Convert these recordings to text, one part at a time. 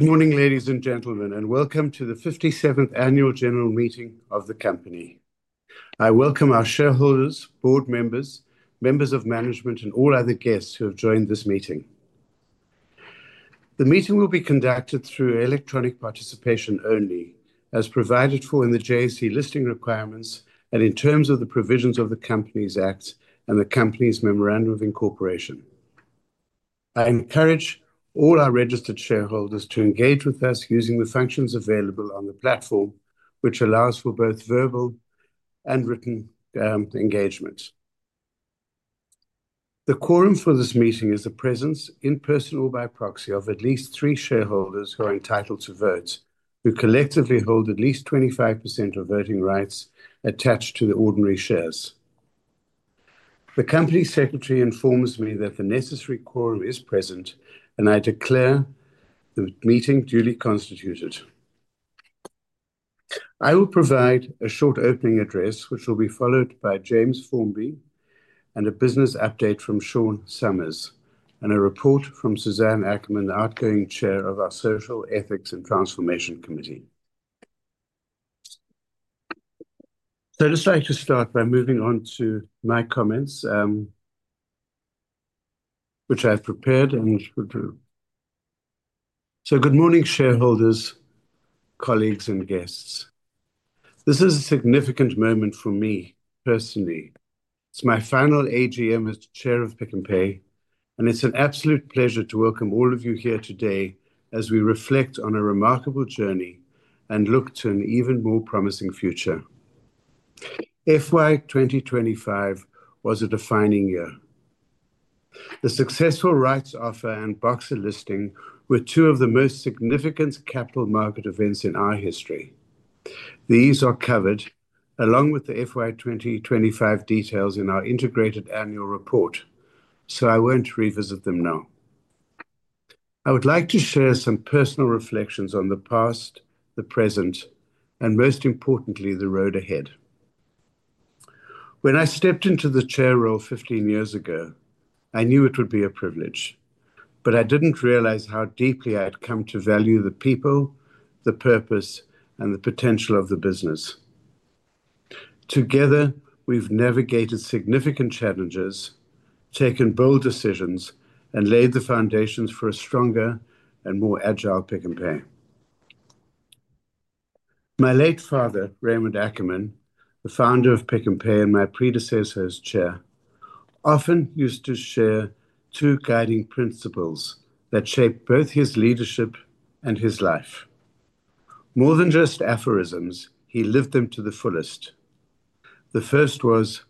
Good morning, ladies and gentlemen, and welcome to the 57th Annual General Meeting of the company. I welcome our shareholders, board members, members of management, and all other guests who have joined this meeting. The meeting will be conducted through electronic participation only, as provided for in the JSE listing requirements and in terms of the provisions of the Companies Act and the Companies Memorandum of Incorporation. I encourage all our registered shareholders to engage with us using the functions available on the platform, which allows for both verbal and written engagement. The quorum for this meeting is the presence, in person or by proxy, of at least three shareholders who are entitled to vote, who collectively hold at least 25% of voting rights attached to the ordinary shares. The Company Secretary informs me that the necessary quorum is present, and I declare the meeting duly constituted. I will provide a short opening address, which will be followed by James Formby and a business update from Sean Summers, and a report from Suzanne Ackerman, the outgoing Chair of our Social, Ethics, and Transformation Committee. I'd just like to start by moving on to my comments, which I have prepared. Good morning, shareholders, colleagues, and guests. This is a significant moment for me, personally. It's my final AGM as the Chair of Pick n Pay, and it's an absolute pleasure to welcome all of you here today as we reflect on a remarkable journey and look to an even more promising future. FY 2025 was a defining year. The successful rights offer and Boxer listing were two of the most significant capital market events in our history. These are covered, along with the FY 2025 details, in our integrated annual report, so I won't revisit them now. I would like to share some personal reflections on the past, the present, and most importantly, the road ahead. When I stepped into the Chair role 15 years ago, I knew it would be a privilege, but I didn't realize how deeply I had come to value the people, the purpose, and the potential of the business. Together, we've navigated significant challenges, taken bold decisions, and laid the foundations for a stronger and more agile Pick n Pay. My late father, Raymond Ackerman, the founder of Pick n Pay and my predecessor as Chair, often used to share two guiding principles that shaped both his leadership and his life. More than just aphorisms, he lived them to the fullest. The first was,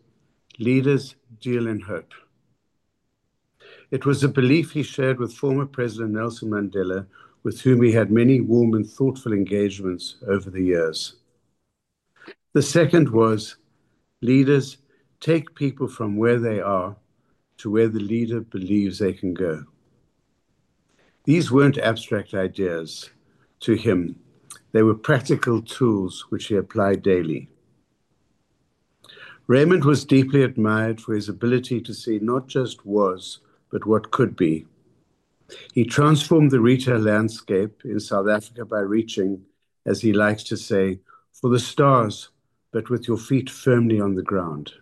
"Leaders deal in hope." It was a belief he shared with former President Nelson Mandela, with whom he had many warm and thoughtful engagements over the years. The second was, "Leaders take people from where they are to where the leader believes they can go." These weren't abstract ideas. To him, they were practical tools which he applied daily. Raymond was deeply admired for his ability to see not just what was, but what could be. He transformed the retail landscape in South Africa by reaching, as he likes to say, "For the stars, but with your feet firmly on the ground,"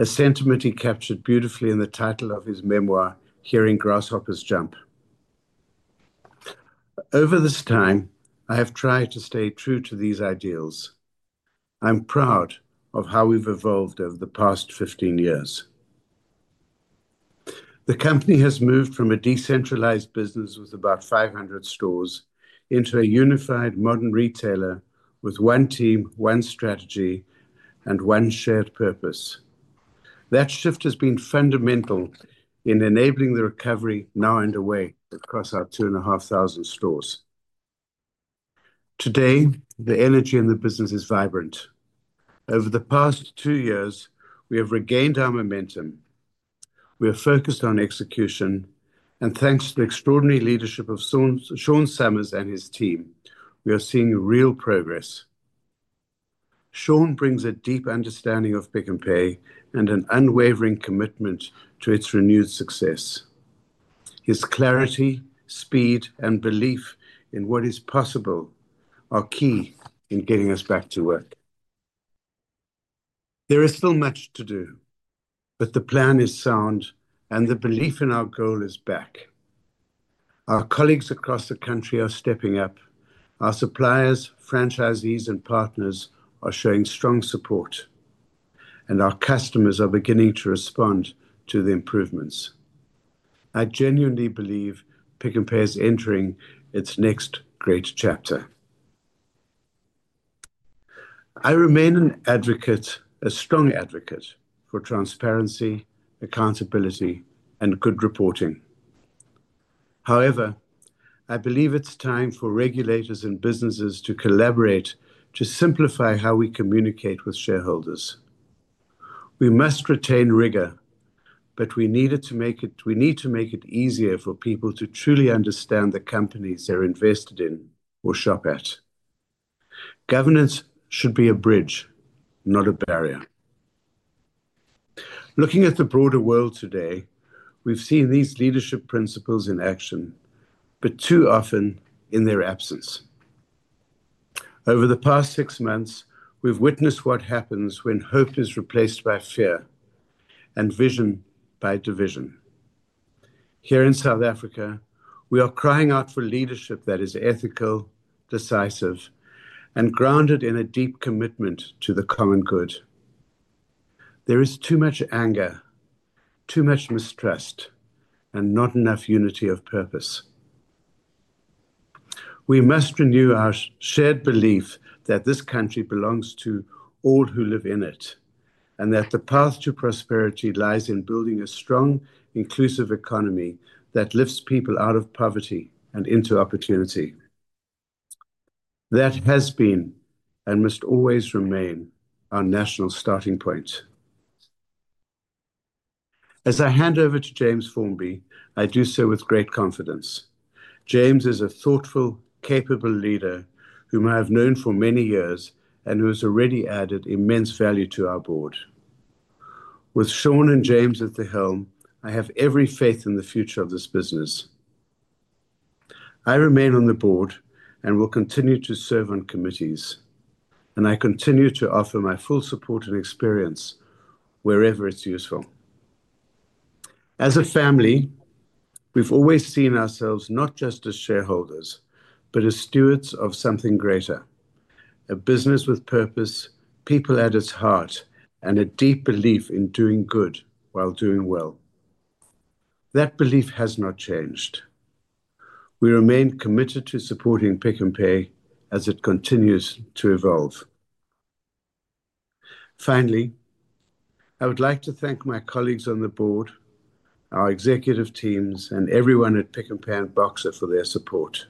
a sentiment he captured beautifully in the title of his memoir, "Hearing Grasshoppers Jump." Over this time, I have tried to stay true to these ideals. I'm proud of how we've evolved over the past 15 years. The company has moved from a decentralized business with about 500 stores into a unified, modern retailer with one team, one strategy, and one shared purpose. That shift has been fundamental in enabling the recovery now underway across our two and a half thousand stores. Today, the energy in the business is vibrant. Over the past two years, we have regained our momentum. We are focused on execution, and thanks to the extraordinary leadership of Sean Summers and his team, we are seeing real progress. Sean brings a deep understanding of Pick n Pay and an unwavering commitment to its renewed success. His clarity, speed, and belief in what is possible are key in getting us back to work. There is still much to do, but the plan is sound and the belief in our goal is back. Our colleagues across the country are stepping up. Our suppliers, franchisees, and partners are showing strong support, and our customers are beginning to respond to the improvements. I genuinely believe Pick n Pay is entering its next great chapter. I remain an advocate, a strong advocate for transparency, accountability, and good reporting. However, I believe it's time for regulators and businesses to collaborate to simplify how we communicate with shareholders. We must retain rigor, but we need to make it easier for people to truly understand the companies they're invested in or shop at. Governance should be a bridge, not a barrier. Looking at the broader world today, we've seen these leadership principles in action, but too often in their absence. Over the past six months, we've witnessed what happens when hope is replaced by fear and vision by division. Here in South Africa, we are crying out for leadership that is ethical, decisive, and grounded in a deep commitment to the common good. There is too much anger, too much mistrust, and not enough unity of purpose. We must renew our shared belief that this country belongs to all who live in it, and that the path to prosperity lies in building a strong, inclusive economy that lifts people out of poverty and into opportunity. That has been and must always remain our national starting point. As I hand over to James Formby, I do so with great confidence. James is a thoughtful, capable leader whom I have known for many years and who has already added immense value to our board. With Sean and James at the helm, I have every faith in the future of this business. I remain on the board and will continue to serve on committees, and I continue to offer my full support and experience wherever it's useful. As a family, we've always seen ourselves not just as shareholders, but as stewards of something greater, a business with purpose, people at its heart, and a deep belief in doing good while doing well. That belief has not changed. We remain committed to supporting Pick n Pay as it continues to evolve. Finally, I would like to thank my colleagues on the board, our executive teams, and everyone at Pick n Pay and Boxer for their support.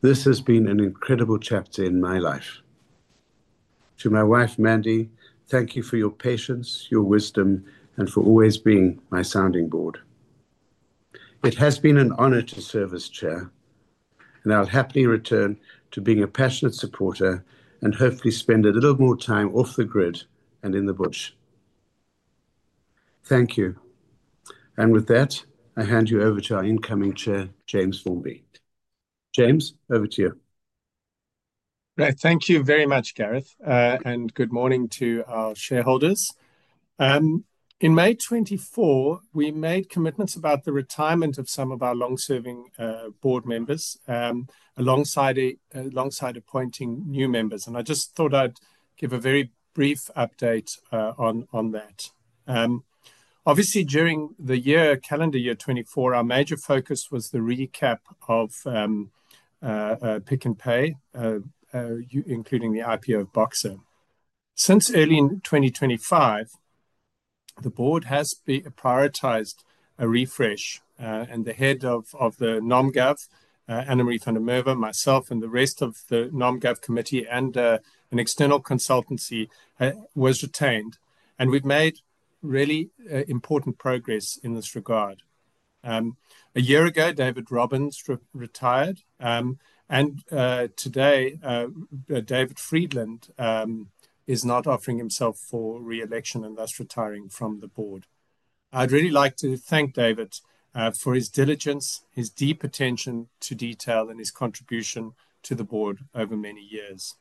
This has been an incredible chapter in my life. To my wife, Mandy, thank you for your patience, your wisdom, and for always being my sounding board. It has been an honor to serve as Chair, and I'll happily return to being a passionate supporter and hopefully spend a little more time off the grid and in the bush. Thank you. With that, I hand you over to our incoming Chair, James Formby. James, over to you. Thank you very much, Gareth, and good morning to our shareholders. In May 2024, we made commitments about the retirement of some of our long-serving board members, alongside appointing new members. I just thought I'd give a very brief update on that. Obviously, during the year, calendar year 2024, our major focus was the recap of Pick n Pay Stores Ltd, including the IPO of Boxer. Since early in 2025, the board has prioritized a refresh, and the head of the nom/gov, Annemarie van der Merwe, myself, and the rest of the nom/gov committee and an external consultancy was retained. We've made really important progress in this regard. A year ago, David Robins retired, and today, David Friedland is not offering himself for reelection and thus retiring from the board. I'd really like to thank David for his diligence, his deep attention to detail, and his contribution to the board over many years.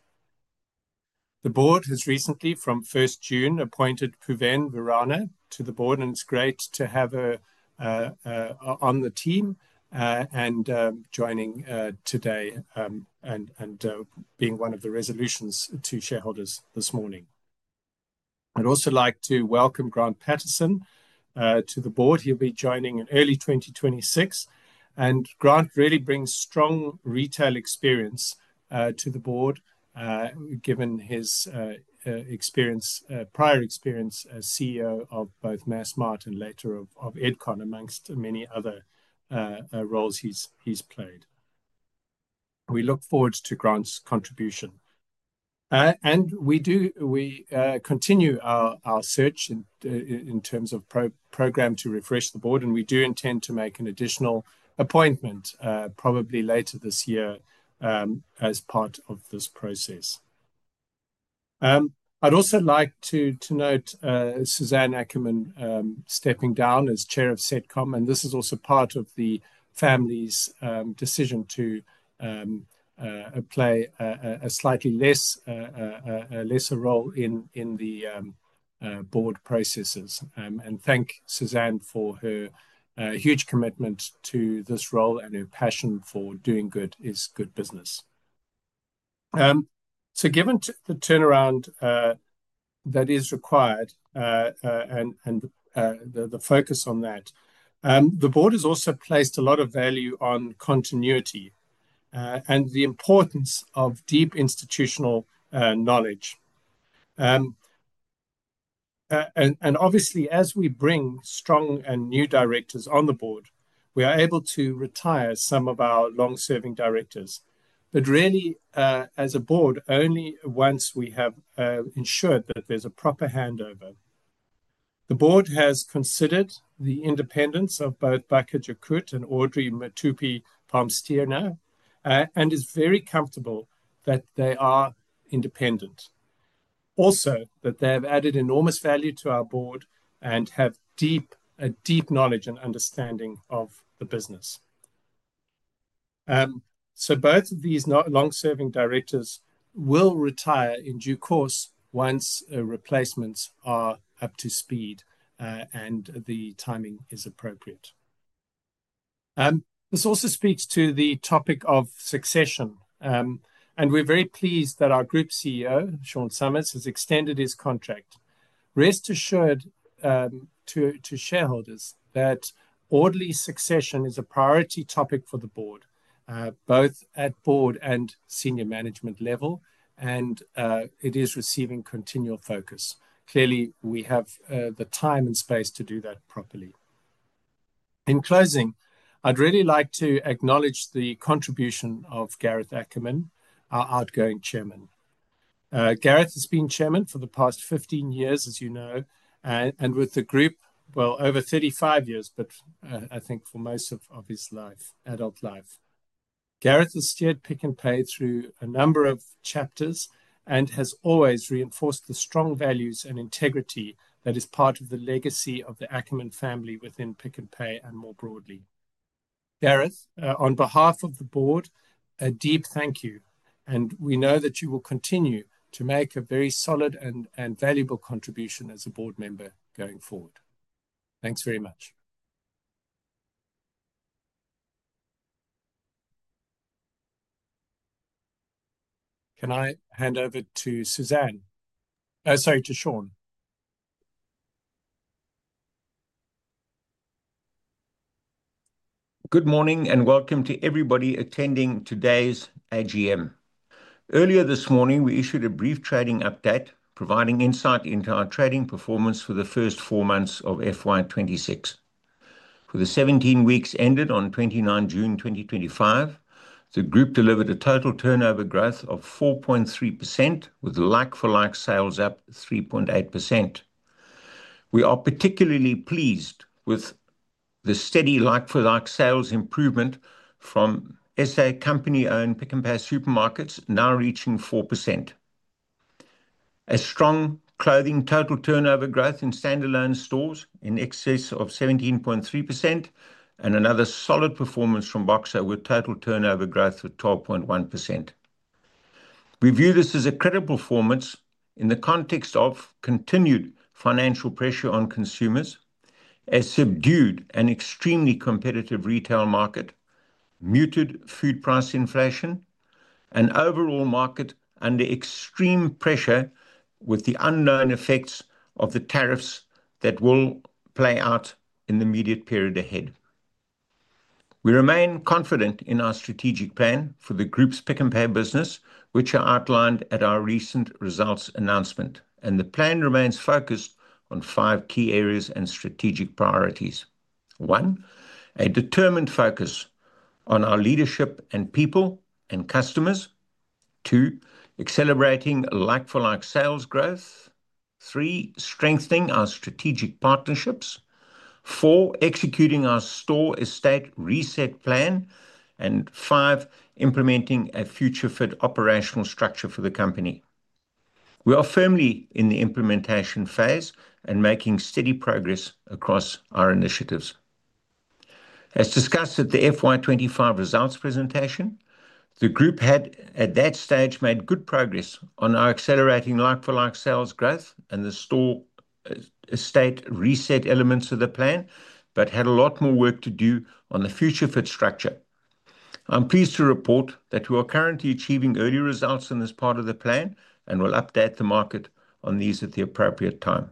The board has recently, from 1st June, appointed Pooven Viranna to the board, and it's great to have her on the team and joining today and being one of the resolutions to shareholders this morning. I'd also like to welcome Grant Patterson to the board. He'll be joining in early 2026. Grant really brings strong retail experience to the board, given his prior experience as CEO of both MassMart and later of Edcon, amongst many other roles he's played. We look forward to Grant's contribution. We continue our search in terms of a program to refresh the board, and we do intend to make an additional appointment probably later this year as part of this process. I'd also like to note Suzanne Ackerman stepping down as Chair of the SET com, and this is also part of the family's decision to play a slightly lesser role in the board processes. I thank Suzanne for her huge commitment to this role and her passion for doing good is good business. Given the turnaround that is required and the focus on that, the board has also placed a lot of value on continuity and the importance of deep institutional knowledge. Obviously, as we bring strong and new directors on the board, we are able to retire some of our long-serving directors, but really, as a board, only once we have ensured that there's a proper handover. The board has considered the independence of both Baka Jakoet and Audrey Mothupi-Palmstierna and is very comfortable that they are independent. Also, they have added enormous value to our board and have a deep knowledge and understanding of the business. Both of these long-serving directors will retire in due course once replacements are up to speed and the timing is appropriate. This also speaks to the topic of succession, and we're very pleased that our Group CEO, Sean Summers, has extended his contract. Rest assured to shareholders that orderly succession is a priority topic for the board, both at board and senior management level, and it is receiving continual focus. Clearly, we have the time and space to do that properly. In closing, I'd really like to acknowledge the contribution of Gareth Ackerman, our outgoing Chairman. Gareth has been Chairman for the past 15 years, as you know, and with the group, over 35 years, but I think for most of his adult life. Gareth has steered Pick n Pay through a number of chapters and has always reinforced the strong values and integrity that is part of the legacy of the Ackerman family within Pick n Pay and more broadly. Gareth, on behalf of the board, a deep thank you, and we know that you will continue to make a very solid and valuable contribution as a board member going forward. Thanks very much. Can I hand over to Suzanne? Oh, sorry, to Sean. Good morning and welcome to everybody attending today's AGM. Earlier this morning, we issued a brief trading update, providing insight into our trading performance for the first four months of FY 2026. With the 17 weeks ended on 29 June 2025, the group delivered a total turnover growth of 4.3%, with the like-for-like sales up 3.8%. We are particularly pleased with the steady like-for-like sales improvement from SA company-owned Pick n Pay supermarkets, now reaching 4%. A strong clothing total turnover growth in standalone stores in excess of 17.3%, and another solid performance from Boxer with total turnover growth of 12.1%. We view this as a credible performance in the context of continued financial pressure on consumers, a subdued and extremely competitive retail market, muted food price inflation, and an overall market under extreme pressure with the unknown effects of the tariffs that will play out in the immediate period ahead. We remain confident in our strategic plan for the group's Pick n Pay business, which are outlined at our recent results announcement, and the plan remains focused on five key areas and strategic priorities. One, a determined focus on our leadership and people and customers. Two, accelerating like-for-like sales growth. Three, strengthening our strategic partnerships. Four, executing our store estate reset plan. Five, implementing a future-fit operational structure for the company. We are firmly in the implementation phase and making steady progress across our initiatives. As discussed at the FY 2025 results presentation, the group had, at that stage, made good progress on our accelerating like-for-like sales growth and the store estate reset elements of the plan, but had a lot more work to do on the future-fit structure. I'm pleased to report that we are currently achieving early results in this part of the plan and will update the market on these at the appropriate time.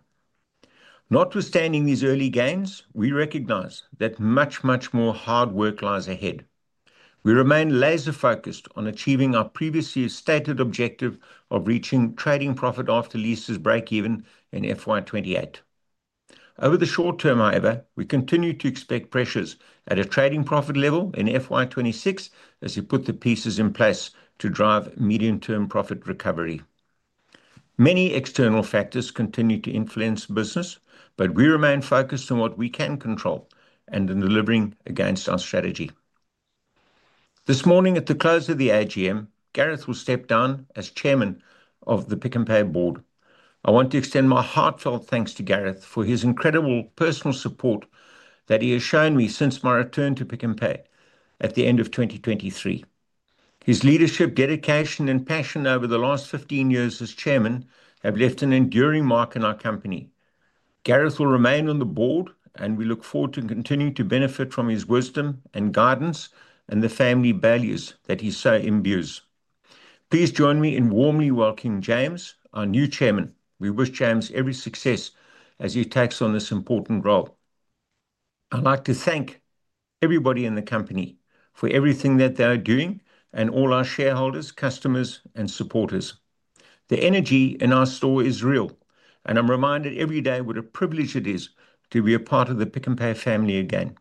Notwithstanding these early gains, we recognize that much, much more hard work lies ahead. We remain laser-focused on achieving our previously stated objective of reaching trading profit after leases break even in FY 2028. Over the short term, however, we continue to expect pressures at a trading profit level in FY 2026 as we put the pieces in place to drive medium-term profit recovery. Many external factors continue to influence business, but we remain focused on what we can control and in delivering against our strategy. This morning, at the close of the AGM, Gareth Ackerman will step down as Chairman of the Pick n Pay board. I want to extend my heartfelt thanks to Gareth for his incredible personal support that he has shown me since my return to Pick n Pay at the end of 2023. His leadership, dedication, and passion over the last 15 years as Chairman have left an enduring mark in our company. Gareth will remain on the board, and we look forward to continuing to benefit from his wisdom and guidance and the family values that he so imbues. Please join me in warmly welcoming James, our new Chairman. We wish James every success as he takes on this important role. I'd like to thank everybody in the company for everything that they are doing and all our shareholders, customers, and supporters. The energy in our store is real, and I'm reminded every day what a privilege it is to be a part of the Pick n Pay family again.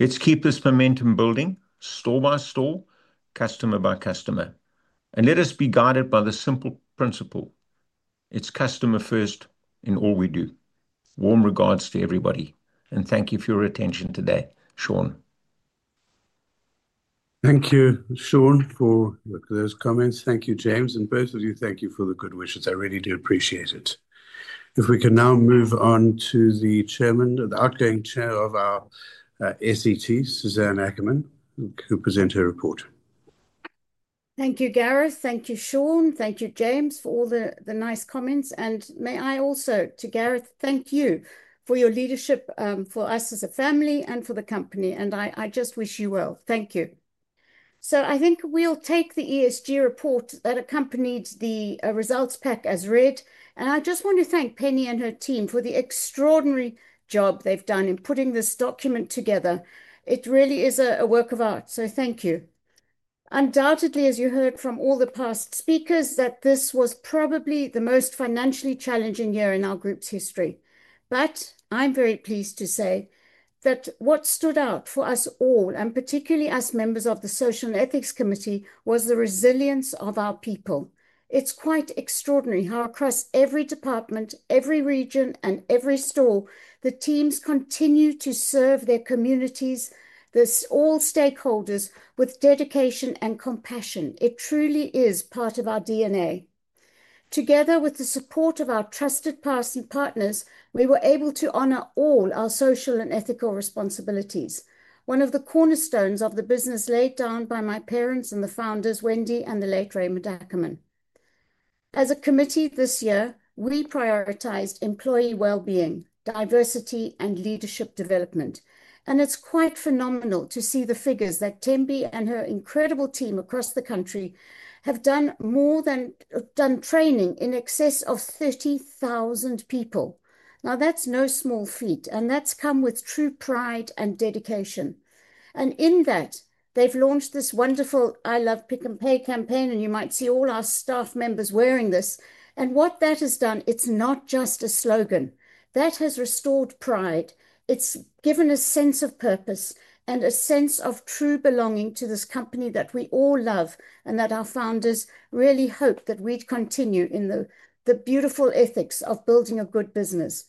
Let's keep this momentum building, store by store, customer by customer, and let us be guided by the simple principle. It's customer first in all we do. Warm regards to everybody, and thank you for your attention today, Sean. Thank you, Sean, for those comments. Thank you, James, and both of you, thank you for the good wishes. I really do appreciate it. If we can now move on to the Chairman, the outgoing Chair of our SET, Suzanne Ackerman, who will present her report. Thank you, Gareth. Thank you, Sean. Thank you, James, for all the nice comments. May I also, to Gareth, thank you for your leadership for us as a family and for the company. I just wish you well. Thank you. I think we'll take the ESG report that accompanied the results pack as read. I just want to thank [Penny] and her team for the extraordinary job they've done in putting this document together. It really is a work of art. Thank you. Undoubtedly, as you heard from all the past speakers, this was probably the most financially challenging year in our group's history. I'm very pleased to say that what stood out for us all, and particularly us members of the Social and Ethics Committee, was the resilience of our people. It's quite extraordinary how across every department, every region, and every store, the teams continue to serve their communities, all stakeholders, with dedication and compassion. It truly is part of our DNA. Together with the support of our trusted partners, we were able to honor all our social and ethical responsibilities. One of the cornerstones of the business was laid down by my parents and the founders, Wendy and the late Raymond Ackerman. As a committee this year, we prioritized employee well-being, diversity, and leadership development. It's quite phenomenal to see the figures that Thembi and her incredible team across the country have done, more than done, training in excess of 30,000 people. That's no small feat, and that's come with true pride and dedication. In that, they've launched this wonderful I Love Pick n Pay campaign, and you might see all our staff members wearing this. What that has done, it's not just a slogan. That has restored pride. It's given a sense of purpose and a sense of true belonging to this company that we all love and that our founders really hope that we'd continue in the beautiful ethics of building a good business.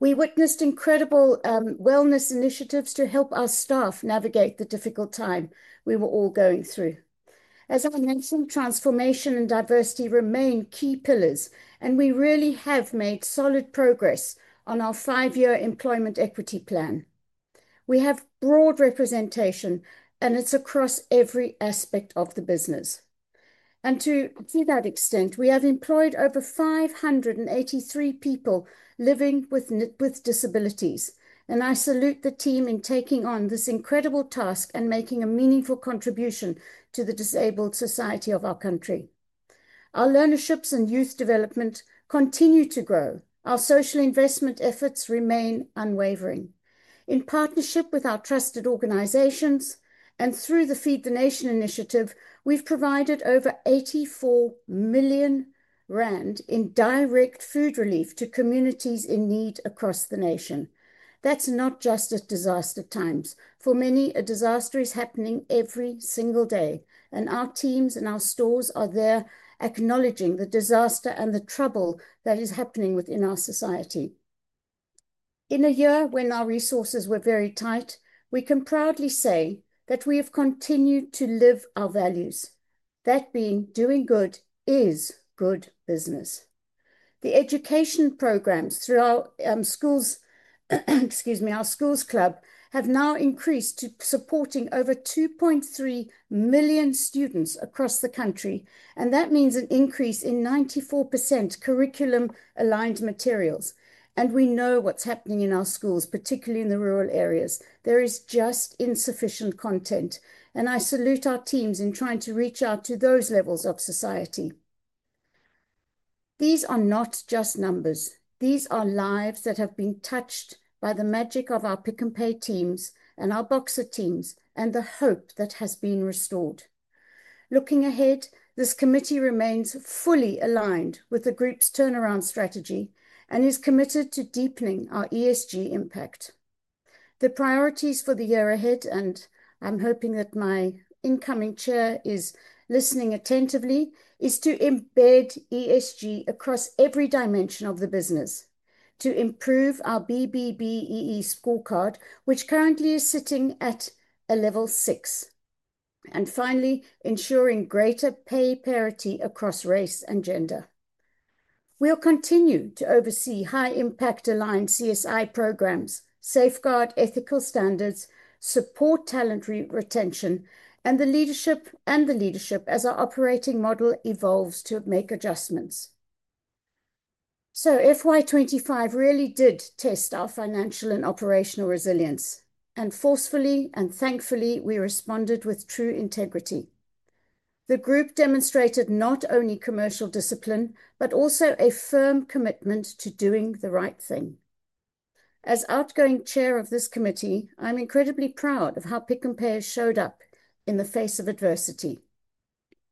We witnessed incredible wellness initiatives to help our staff navigate the difficult time we were all going through. As I mentioned, transformation and diversity remain key pillars, and we really have made solid progress on our five-year employment equity plan. We have broad representation, and it's across every aspect of the business. To that extent, we have employed over 583 people living with disabilities. I salute the team in taking on this incredible task and making a meaningful contribution to the disabled society of our country. Our learnerships and youth development continue to grow. Our social investment efforts remain unwavering. In partnership with our trusted organizations and through the Feed the Nation initiative, we've provided over R84 million in direct food relief to communities in need across the nation. That's not just at disaster times. For many, a disaster is happening every single day, and our teams and our stores are there acknowledging the disaster and the trouble that is happening within our society. In a year when our resources were very tight, we can proudly say that we have continued to live our values. That being, doing good is good business. The education programs through our Schools Club have now increased to supporting over 2.3 million students across the country, and that means an increase in 94% curriculum-aligned materials. We know what's happening in our schools, particularly in the rural areas. There is just insufficient content. I salute our teams in trying to reach out to those levels of society. These are not just numbers. These are lives that have been touched by the magic of our Pick n Pay teams and our Boxer teams and the hope that has been restored. Looking ahead, this committee remains fully aligned with the group's turnaround strategy and is committed to deepening our ESG impact. The priorities for the year ahead, and I'm hoping that my incoming Chair is listening attentively, is to embed ESG across every dimension of the business, to improve our BBBEE scorecard, which currently is sitting at a level six, and finally, ensuring greater pay parity across race and gender. We'll continue to oversee high-impact aligned CSI programs, safeguard ethical standards, support talent retention, and the leadership as our operating model evolves to make adjustments. FY 2025 really did test our financial and operational resilience, and forcefully and thankfully, we responded with true integrity. The group demonstrated not only commercial discipline, but also a firm commitment to doing the right thing. As outgoing Chair of this committee, I'm incredibly proud of how Pick n Pay showed up in the face of adversity,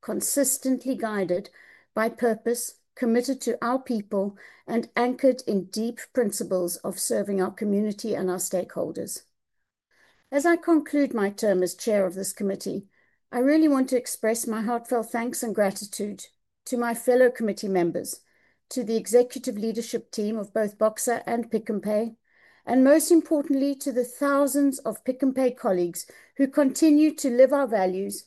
consistently guided by purpose, committed to our people, and anchored in deep principles of serving our community and our stakeholders. As I conclude my term as Chair of this committee, I really want to express my heartfelt thanks and gratitude to my fellow committee members, to the executive leadership team of both Boxer and Pick n Pay, and most importantly, to the thousands of Pick n Pay colleagues who continue to live our values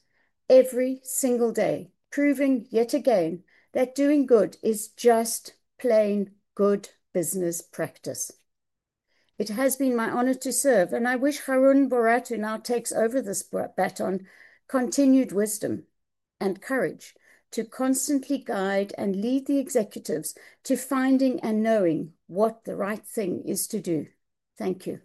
every single day, proving yet again that doing good is just plain good business practice. It has been my honor to serve, and I wish Haroon Bhorat, who now takes over this baton, continued wisdom and courage to constantly guide and lead the executives to finding and knowing what the right thing is to do. Thank you.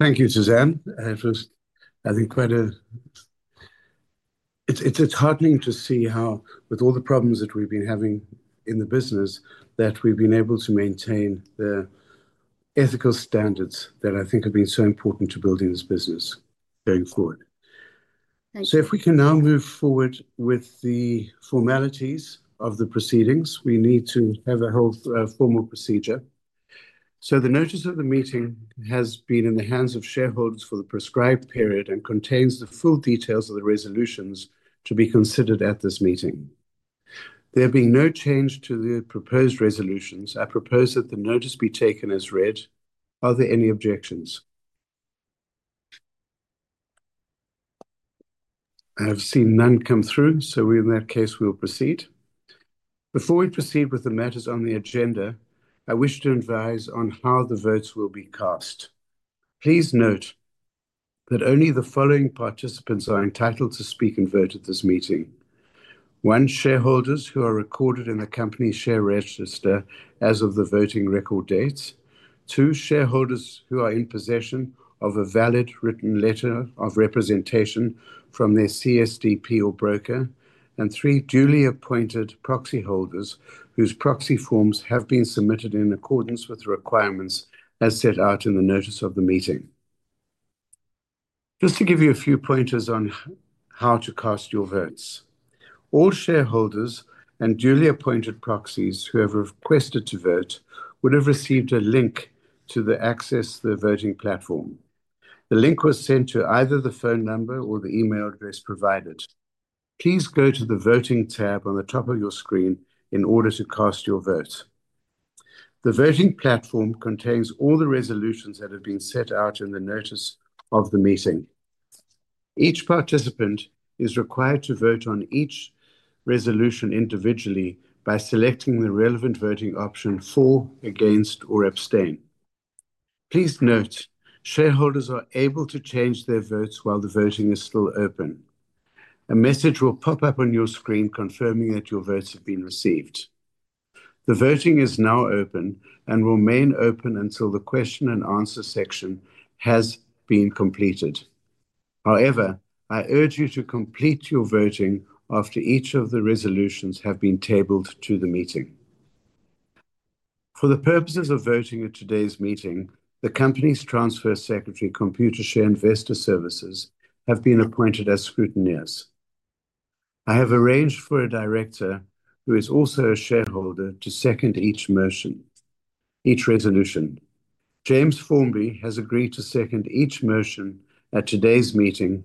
Thank you, Suzanne. I think it's heartening to see how, with all the problems that we've been having in the business, we've been able to maintain the ethical standards that I think have been so important to building this business going forward. If we can now move forward with the formalities of the proceedings, we need to have a whole formal procedure. The notice of the meeting has been in the hands of shareholders for the prescribed period and contains the full details of the resolutions to be considered at this meeting. There being no change to the proposed resolutions, I propose that the notice be taken as read. Are there any objections? I have seen none come through, so in that case, we will proceed. Before we proceed with the matters on the agenda, I wish to advise on how the votes will be cast. Please note that only the following participants are entitled to speak and vote at this meeting: 1) shareholders who are recorded in the company share register as of the voting record dates, 2) shareholders who are in possession of a valid written letter of representation from their CSDP or broker, and 3) duly appointed proxy holders whose proxy forms have been submitted in accordance with the requirements as set out in the notice of the meeting. Just to give you a few pointers on how to cast your votes, all shareholders and duly appointed proxies who have requested to vote would have received a link to access the voting platform. The link was sent to either the phone number or the email address provided. Please go to the voting tab on the top of your screen in order to cast your vote. The voting platform contains all the resolutions that have been set out in the notice of the meeting. Each participant is required to vote on each resolution individually by selecting the relevant voting option: for, against, or abstain. Please note, shareholders are able to change their votes while the voting is still open. A message will pop up on your screen confirming that your votes have been received. The voting is now open and will remain open until the question and answer section has been completed. However, I urge you to complete your voting after each of the resolutions has been tabled to the meeting. For the purposes of voting at today's meeting, the company's transfer secretary, Computershare Investor Services, have been appointed as scrutinizers. I have arranged for a director, who is also a shareholder, to second each motion, each resolution. James Formby has agreed to second each motion at today's meeting.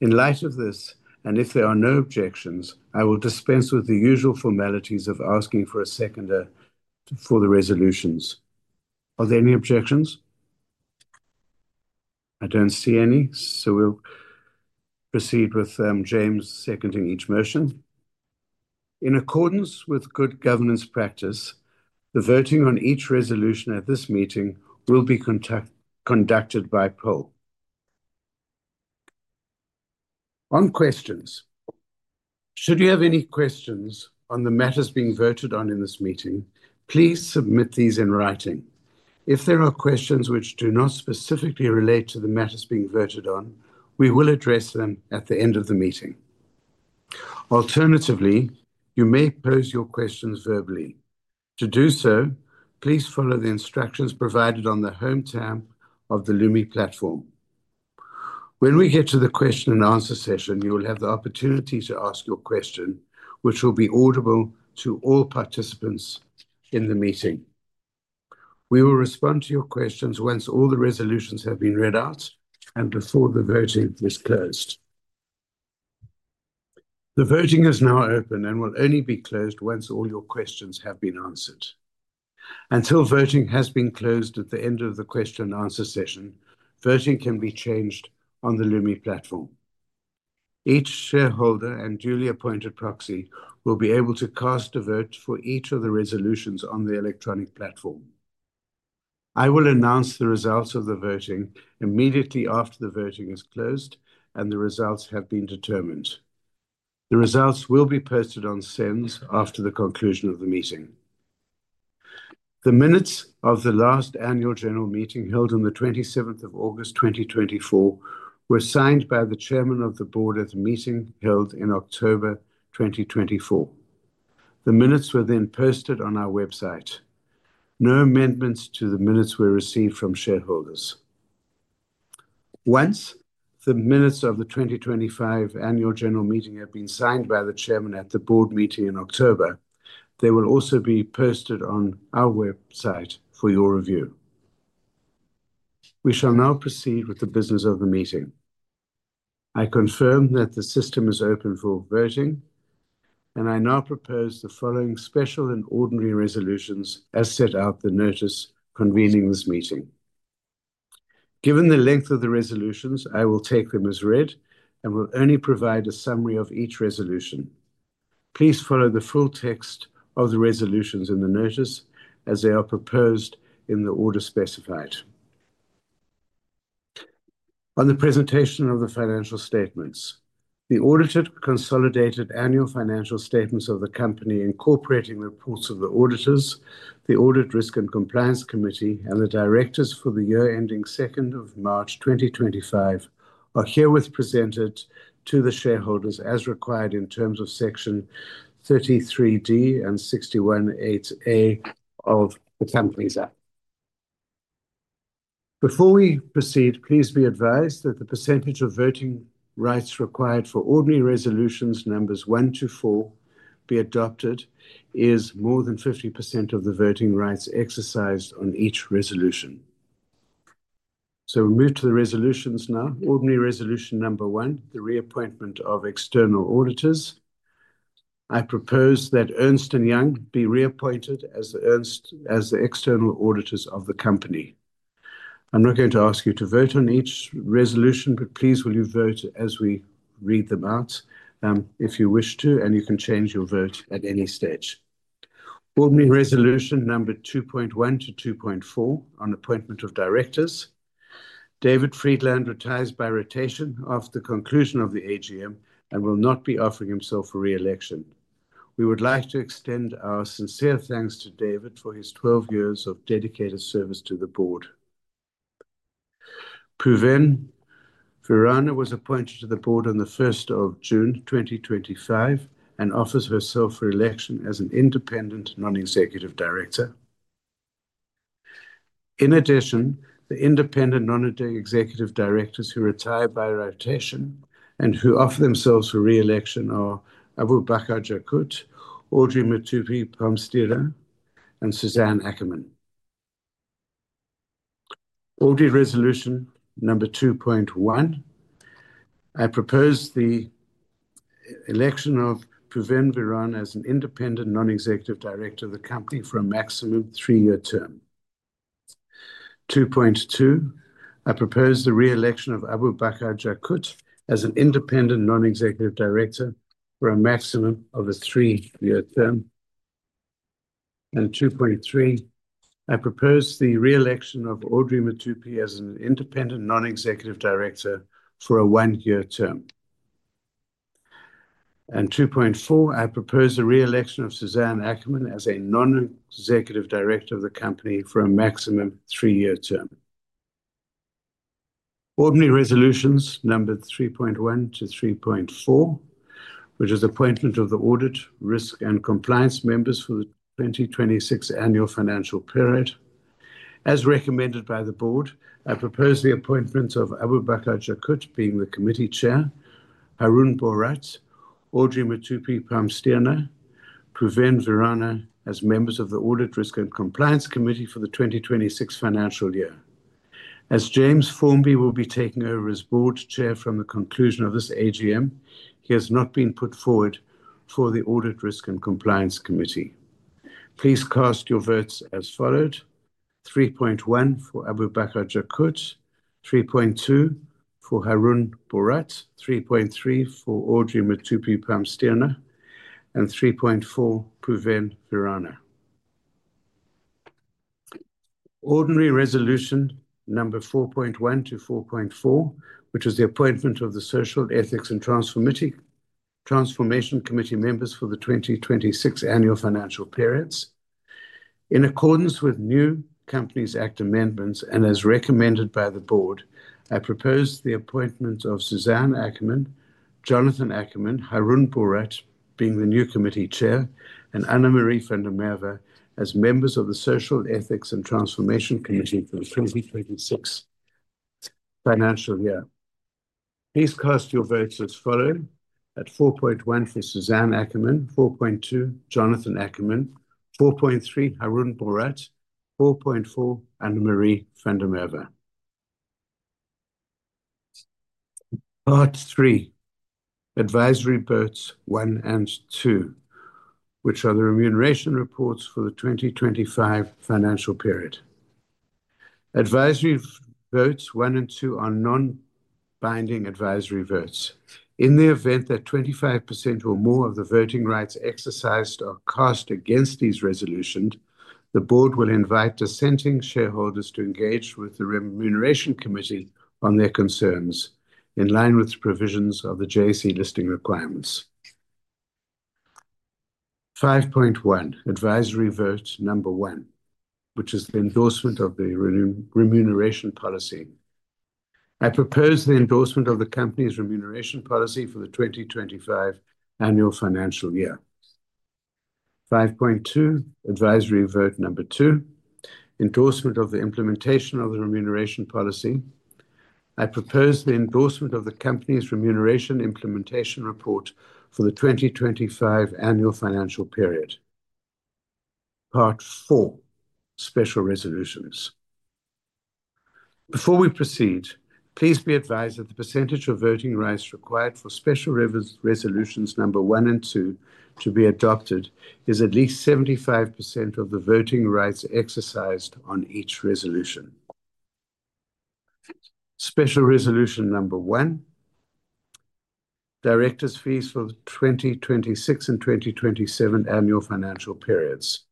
In light of this, and if there are no objections, I will dispense with the usual formalities of asking for a seconder for the resolutions. Are there any objections? I don't see any, so we'll proceed with James seconding each motion. In accordance with good governance practice, the voting on each resolution at this meeting will be conducted by poll. On questions, should you have any questions on the matters being voted on in this meeting, please submit these in writing. If there are questions which do not specifically relate to the matters being voted on, we will address them at the end of the meeting. Alternatively, you may pose your questions verbally. To do so, please follow the instructions provided on the home tab of the Lumi platform. When we get to the question and answer session, you will have the opportunity to ask your question, which will be audible to all participants in the meeting. We will respond to your questions once all the resolutions have been read out and before the voting is closed. The voting is now open and will only be closed once all your questions have been answered. Until voting has been closed at the end of the question and answer session, voting can be changed on the Lumi platform. Each shareholder and duly appointed proxy will be able to cast a vote for each of the resolutions on the electronic platform. I will announce the results of the voting immediately after the voting is closed and the results have been determined. The results will be posted on SENS after the conclusion of the meeting. The minutes of the last annual general meeting held on the 27th of August 2024 were signed by the Chairman of the Board at the meeting held in October 2024. The minutes were then posted on our website. No amendments to the minutes were received from shareholders. Once the minutes of the 2025 annual general meeting have been signed by the Chairman at the board meeting in October, they will also be posted on our website for your review. We shall now proceed with the business of the meeting. I confirm that the system is open for voting, and I now propose the following special and ordinary resolutions as set out in the notice convening this meeting. Given the length of the resolutions, I will take them as read and will only provide a summary of each resolution. Please follow the full text of the resolutions in the notice as they are proposed in the order specified. On the presentation of the financial statements, the audited consolidated annual financial statements of the company incorporating the reports of the auditors, the audit risk and compliance committee, and the directors for the year ending 2nd of March 2025 are herewith presented to the shareholders as required in terms of section 33D and 61A of the Companies Act. Before we proceed, please be advised that the percentage of voting rights required for ordinary resolutions numbers one to four be adopted is more than 50% of the voting rights exercised on each resolution. We move to the resolutions now. Ordinary resolution number one, the reappointment of external auditors. I propose that Ernst & Young be reappointed as the external auditors of the company. I'm not going to ask you to vote on each resolution, but please will you vote as we read them out if you wish to, and you can change your vote at any stage. Ordinary resolution number 2.1-2.4 on appointment of directors. David Friedland retires by rotation after the conclusion of the AGM and will not be offering himself for reelection. We would like to extend our sincere thanks to David for his 12 years of dedicated service to the board. Pooven Viranna was appointed to the board on the 1st of June 2025 and offers herself for election as an independent non-executive director. In addition, the independent non-executive directors who retire by rotation and who offer themselves for reelection are Aboubakar Jakoet, Audrey Mothupi-Palmstierna, and Suzanne Ackerman. Audit resolution number 2.1. I propose the election of Pooven Viranna as an independent non-executive director of the company for a maximum three-year term. 2.2. I propose the reelection of Aboubakar Jakoet as an independent non-executive director for a maximum of a three-year term. 2.3. I propose the reelection of Audrey Mothupi-Palmstierna as an independent non-executive director for a one-year term. 2.4. I propose the reelection of Suzanne Ackerman as a non-executive director of the company for a maximum three-year term. Ordinary resolutions number 3.1-3.4, which is appointment of the audit risk and compliance members for the 2026 annual financial period. As recommended by the board, I propose the appointments of Aboubakar Jakoet being the committee chair, Haroon Bhorat, Audrey Mothupi-Palmstierna, and Pooven Viranna as members of the audit risk and compliance committee for the 2026 financial year. As James Formby will be taking over as Board Chair from the conclusion of this AGM, he has not been put forward for the Audit Risk and Compliance Committee. Please cast your votes as follows: 3.1 for Aboubakar Jakoet, 3.2 for Haroon Bhorat, 3.3 for Audrey Mothupi-Palmstierna, and 3.4 for Pooven Viranna. Ordinary resolution number 4.1-4.4, which is the appointment of the Social, Ethics, and Transformation Committee members for the 2026 annual financial periods. In accordance with new Companies Act amendments and as recommended by the Board, I propose the appointment of Suzanne Ackerman, Jonathan Ackerman, Haroon Bhorat being the new Committee Chair, and Annemarie van der Merwe as members of the Social, Ethics, and Transformation Committee for the 2026 financial year. Please cast your votes as follows: at 4.1 for Suzanne Ackerman, 4.2 Jonathan Ackerman, 4.3 Haroon Bhorat, 4.4 Annemarie van der Merwe. Part three, advisory votes one and two, which are the remuneration reports for the 2025 financial period. Advisory votes one and two are non-binding advisory votes. In the event that 25% or more of the voting rights exercised are cast against these resolutions, the Board will invite dissenting shareholders to engage with the Remuneration Committee on their concerns in line with the provisions of the JSE listing requirements. 5.1, advisory vote number one, which is the endorsement of the remuneration policy. I propose the endorsement of the company's remuneration policy for the 2025 annual financial year. 5.2, advisory vote number two, endorsement of the implementation of the remuneration policy. I propose the endorsement of the company's remuneration implementation report for the 2025 annual financial period. Part four, special resolutions. Before we proceed, please be advised that the percentage of voting rights required for special resolutions number one and two to be adopted is at least 75% of the voting rights exercised on each resolution. Special resolution number one, directors' fees of 2026 and 2027 annual financial periods.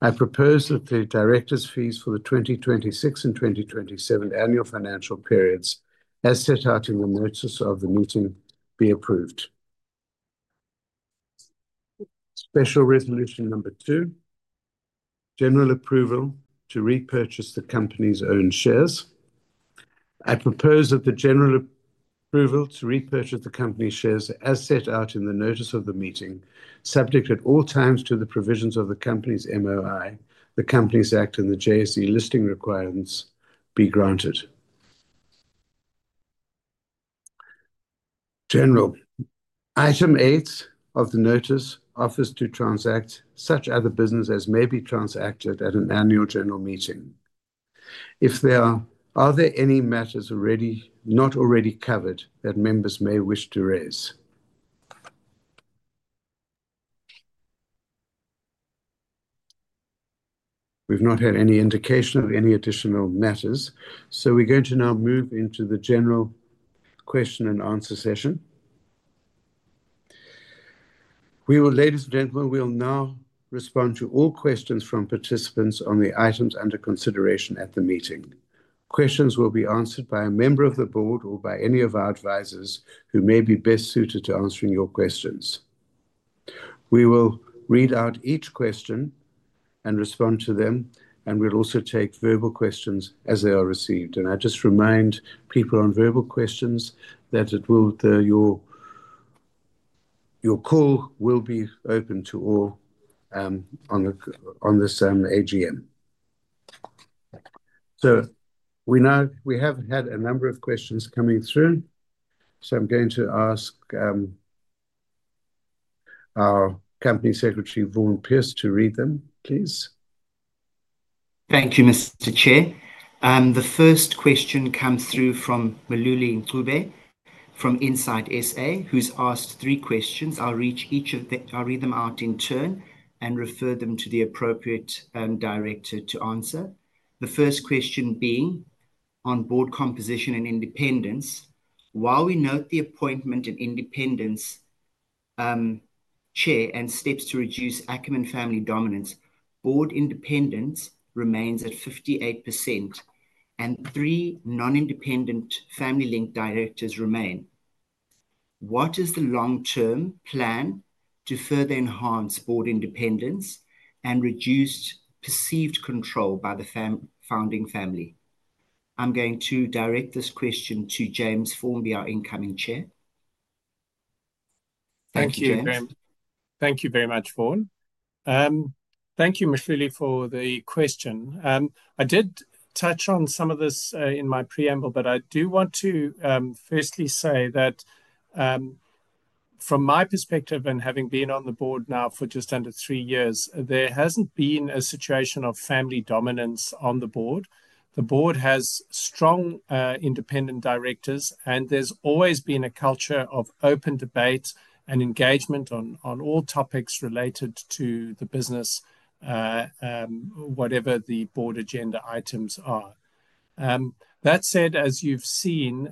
I propose that the directors' fees for the 2026 and 2027 annual financial periods, as set out in the notice of the meeting, be approved. Special resolution number two, general approval to repurchase the company's own shares. I propose that the general approval to repurchase the company's shares, as set out in the notice of the meeting, subject at all times to the provisions of the company's MOI, the Companies Act, and the JSE listing requirements, be granted. Item eight of the notice offers to transact such other business as may be transacted at an annual general meeting. Are there any matters not already covered that members may wish to raise? We've not had any indication of any additional matters, so we're going to now move into the general question and answer session. Ladies and gentlemen, we will now respond to all questions from participants on the items under consideration at the meeting. Questions will be answered by a member of the board or by any of our advisors who may be best suited to answering your questions. We will read out each question and respond to them, and we'll also take verbal questions as they are received. I just remind people on verbal questions that your call will be open to all on this AGM. We have had a number of questions coming through, so I'm going to ask our Company Secretary, Vaughan Pierce, to read them, please. Thank you, Mr. Chair. The first question comes through from [Mahluli Ncube] from Insight SA, who's asked three questions. I'll read each of them, I'll read them out in turn and refer them to the appropriate director to answer. The first question being on board composition and independence. While we note the appointment of independence Chair and steps to reduce Ackerman family dominance, board independence remains at 58% and three non-independent family-linked directors remain. What is the long-term plan to further enhance board independence and reduce perceived control by the founding family? I'm going to direct this question to James Formby, our incoming Chair. [Go ahead, James]. Thank you very much, Vaughan. Thank you, Ms. Lily, for the question. I did touch on some of this in my preamble, but I do want to firstly say that from my perspective and having been on the board now for just under three years, there hasn't been a situation of family dominance on the board. The board has strong independent directors, and there's always been a culture of open debate and engagement on all topics related to the business, whatever the board agenda items are. That said, as you've seen,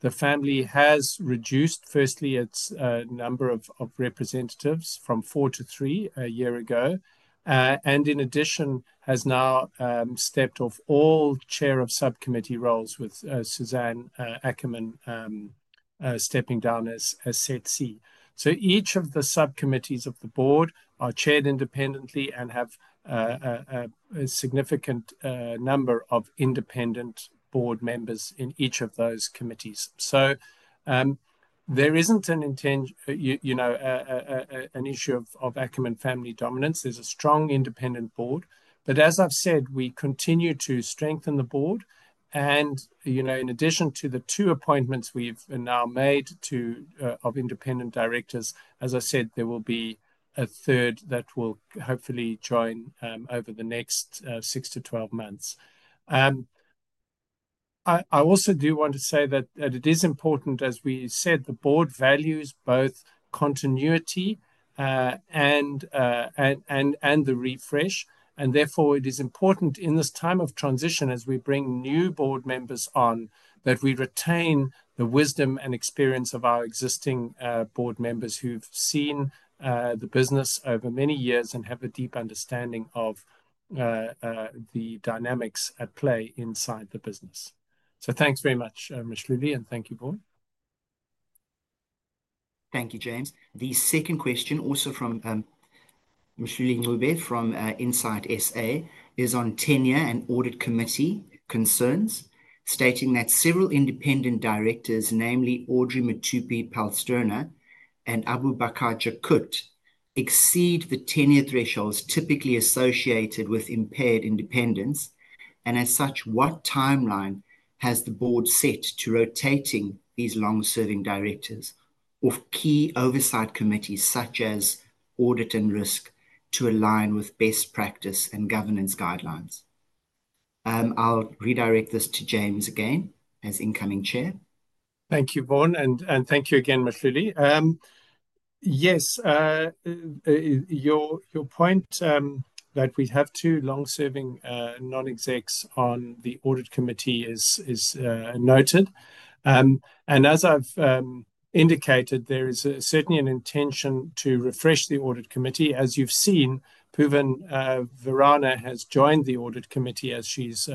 the family has reduced, firstly, its number of representatives from four to three a year ago, and in addition, has now stepped off all chair of subcommittee roles with Suzanne Ackerman stepping down as SETC. Each of the subcommittees of the board are chaired independently and have a significant number of independent board members in each of those committees. There isn't an issue of Ackerman family dominance. There's a strong independent board. As I've said, we continue to strengthen the board. In addition to the two appointments we've now made of independent directors, as I said, there will be a third that will hopefully join over the next six to 12 months. I also do want to say that it is important, as we said, the board values both continuity and the refresh. Therefore, it is important in this time of transition, as we bring new board members on, that we retain the wisdom and experience of our existing board members who've seen the business over many years and have a deep understanding of the dynamics at play inside the business. Thanks very much, Ms. Lily, and thank you, Vaughan. Thank you, James. The second question, also from [Mahluli Ncube] from Insight SA, is on tenure and audit committee concerns, stating that several independent directors, namely Audrey Mothupi-Palmstierna and Aboubakar Jakoet, exceed the tenure thresholds typically associated with impaired independence. As such, what timeline has the board set to rotating these long-serving directors or key oversight committees such as audit and risk to align with best practice and governance guidelines? I'll redirect this to James again as incoming Chair. Thank you, Vaughan, and thank you again, Ms. Lily. Yes, your point that we have two long-serving non-execs on the audit committee is noted. As I've indicated, there is certainly an intention to refresh the audit committee. As you've seen, Pooven Viranna has joined the audit committee as she's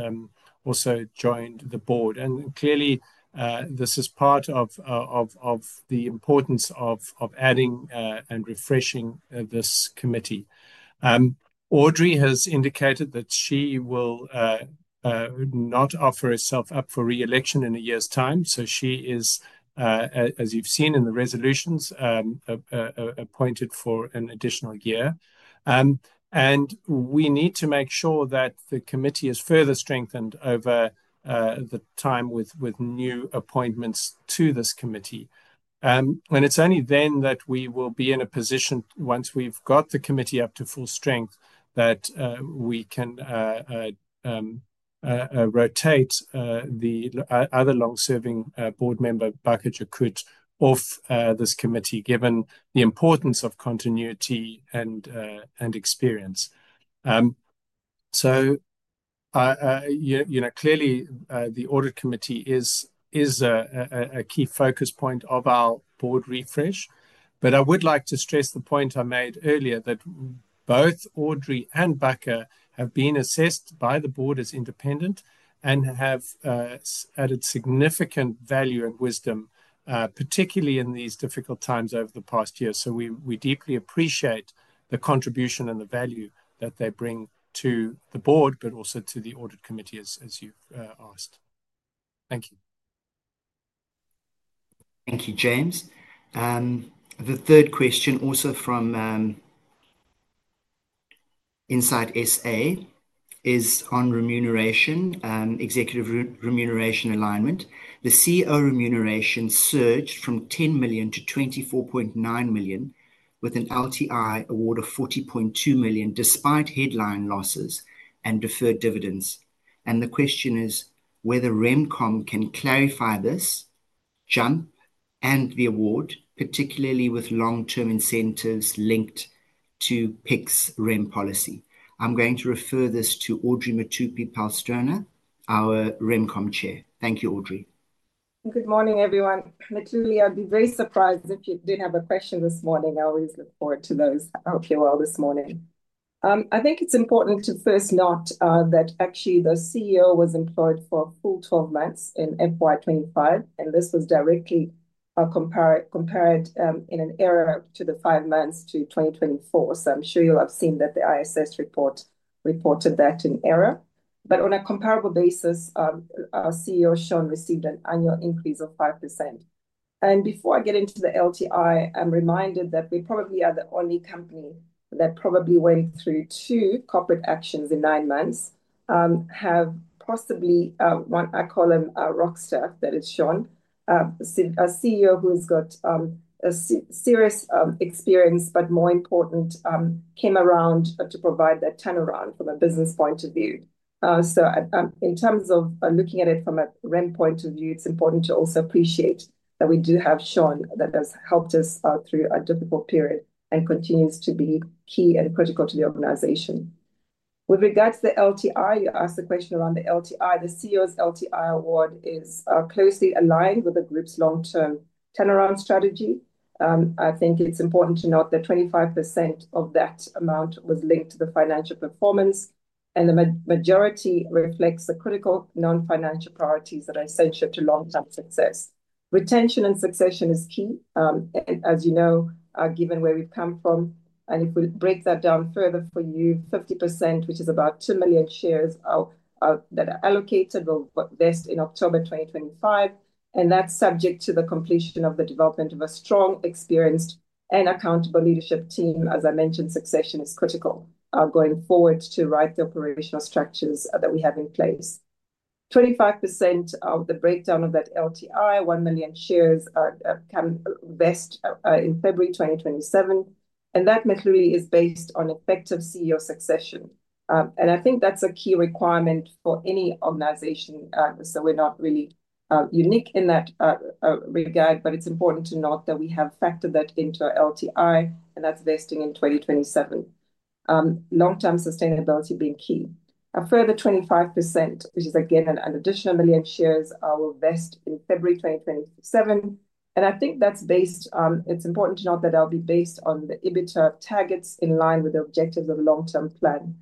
also joined the board. Clearly, this is part of the importance of adding and refreshing this committee. Audrey Mothupi-Palmstierna has indicated that she will not offer herself up for reelection in a year's time. She is, as you've seen in the resolutions, appointed for an additional year. We need to make sure that the committee is further strengthened over the time with new appointments to this committee. It's only then that we will be in a position, once we've got the committee up to full strength, that we can rotate the other long-serving board member, Bakar Jakoet, off this committee, given the importance of continuity and experience. Clearly, the audit committee is a key focus point of our board refresh. I would like to stress the point I made earlier, that both Audrey and Bakar have been assessed by the board as independent and have added significant value and wisdom, particularly in these difficult times over the past year. We deeply appreciate the contribution and the value that they bring to the board, but also to the audit committee, as you've asked. Thank you. Thank you, James. The third question, also from Insight SA, is on remuneration, executive remuneration alignment. The CEO remuneration surged from 10 million-24.9 million, with an LTI award of 40.2 million, despite headline losses and deferred dividends. The question is whether RemCom can clarify this jump and the award, particularly with long-term incentives linked to PIC's REM policy. I'm going to refer this to Audrey Mothupi-Palmstierna, our RemCom Chair. Thank you, Audrey. Good morning, everyone. I'd be very surprised if you didn't have a question this morning. I always look forward to those. I hope you're well this morning. I think it's important to first note that actually the CEO was employed for a full 12 months in FY 2025, and this was directly compared in an error to the five months to 2024. I'm sure you'll have seen that the ISS report reported that in error. On a comparable basis, our CEO, Sean, received an annual increase of 5%. Before I get into the LTI, I'm reminded that we probably are the only company that went through two corporate actions in nine months, have possibly, I call him a rock star, that is Sean, a CEO who's got serious experience, but more important, came around to provide that turnaround from a business point of view. In terms of looking at it from a REM point of view, it's important to also appreciate that we do have Sean that has helped us through a difficult period and continues to be key and critical to the organization. With regards to the LTI, you asked the question around the LTI. The CEO's LTI award is closely aligned with the group's long-term turnaround strategy. I think it's important to note that 25% of that amount was linked to the financial performance, and the majority reflects the critical non-financial priorities that are essential to long-term success. Retention and succession is key, as you know, given where we come from. If we break that down further for you, 50%, which is about 2 million shares that are allocated, will be vested in October 2025. That's subject to the completion of the development of a strong, experienced, and accountable leadership team. As I mentioned, succession is critical going forward to write the operational structures that we have in place. 25% of the breakdown of that LTI, 1 million shares, can be vested in February 2027. That, Ms. Lily, is based on effective CEO succession. I think that's a key requirement for any organization. We're not really unique in that regard, but it's important to note that we have factored that into our LTI, and that's vesting in 2027. Long-term sustainability being key. A further 25%, which is again an additional 1 million shares, will be vested in February 2027. I think it's important to note that that'll be based on the EBITDA targets in line with the objectives of the long-term plan.